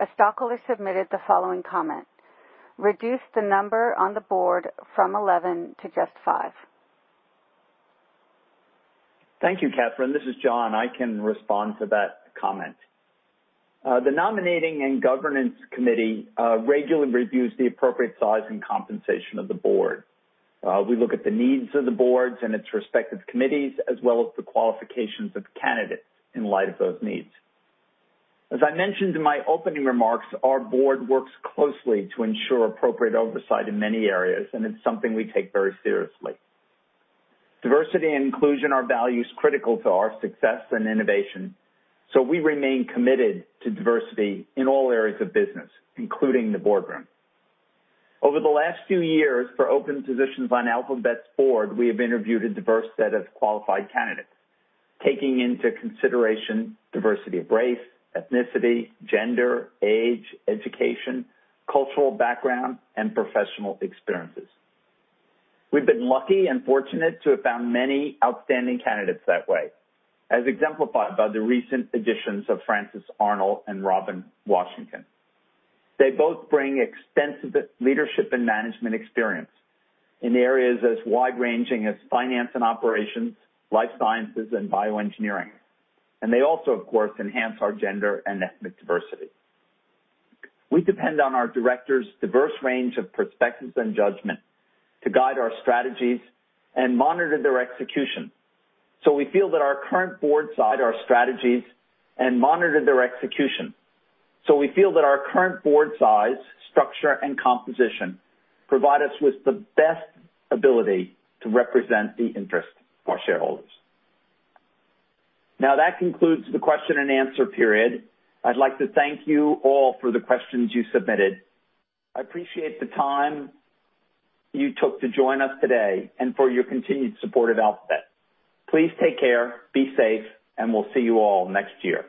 A stockholder submitted the following comment: Reduce the number on the board from 11 to just five. Thank you, Kathryn. This is John. I can respond to that comment. The Nominating and Governance Committee regularly reviews the appropriate size and compensation of the board. We look at the needs of the board's and its respective committees, as well as the qualifications of candidates in light of those needs. As I mentioned in my opening remarks, our board works closely to ensure appropriate oversight in many areas, and it's something we take very seriously. Diversity and inclusion are values critical to our success and innovation. So we remain committed to diversity in all areas of business, including the boardroom. Over the last few years for open positions on Alphabet's board, we have interviewed a diverse set of qualified candidates, taking into consideration diversity of race, ethnicity, gender, age, education, cultural background, and professional experiences. We've been lucky and fortunate to have found many outstanding candidates that way, as exemplified by the recent additions of Frances Arnold and Robin Washington. They both bring extensive leadership and management experience in areas as wide-ranging as finance and operations, life sciences, and bioengineering, and they also, of course, enhance our gender and ethnic diversity. We depend on our directors' diverse range of perspectives and judgment to guide our strategies and monitor their execution. So we feel that our current board's size, structure, and composition provide us with the best ability to represent the interests of our shareholders. Now, that concludes the question and answer period. I'd like to thank you all for the questions you submitted. I appreciate the time you took to join us today and for your continued support of Alphabet. Please take care, be safe, and we'll see you all next year.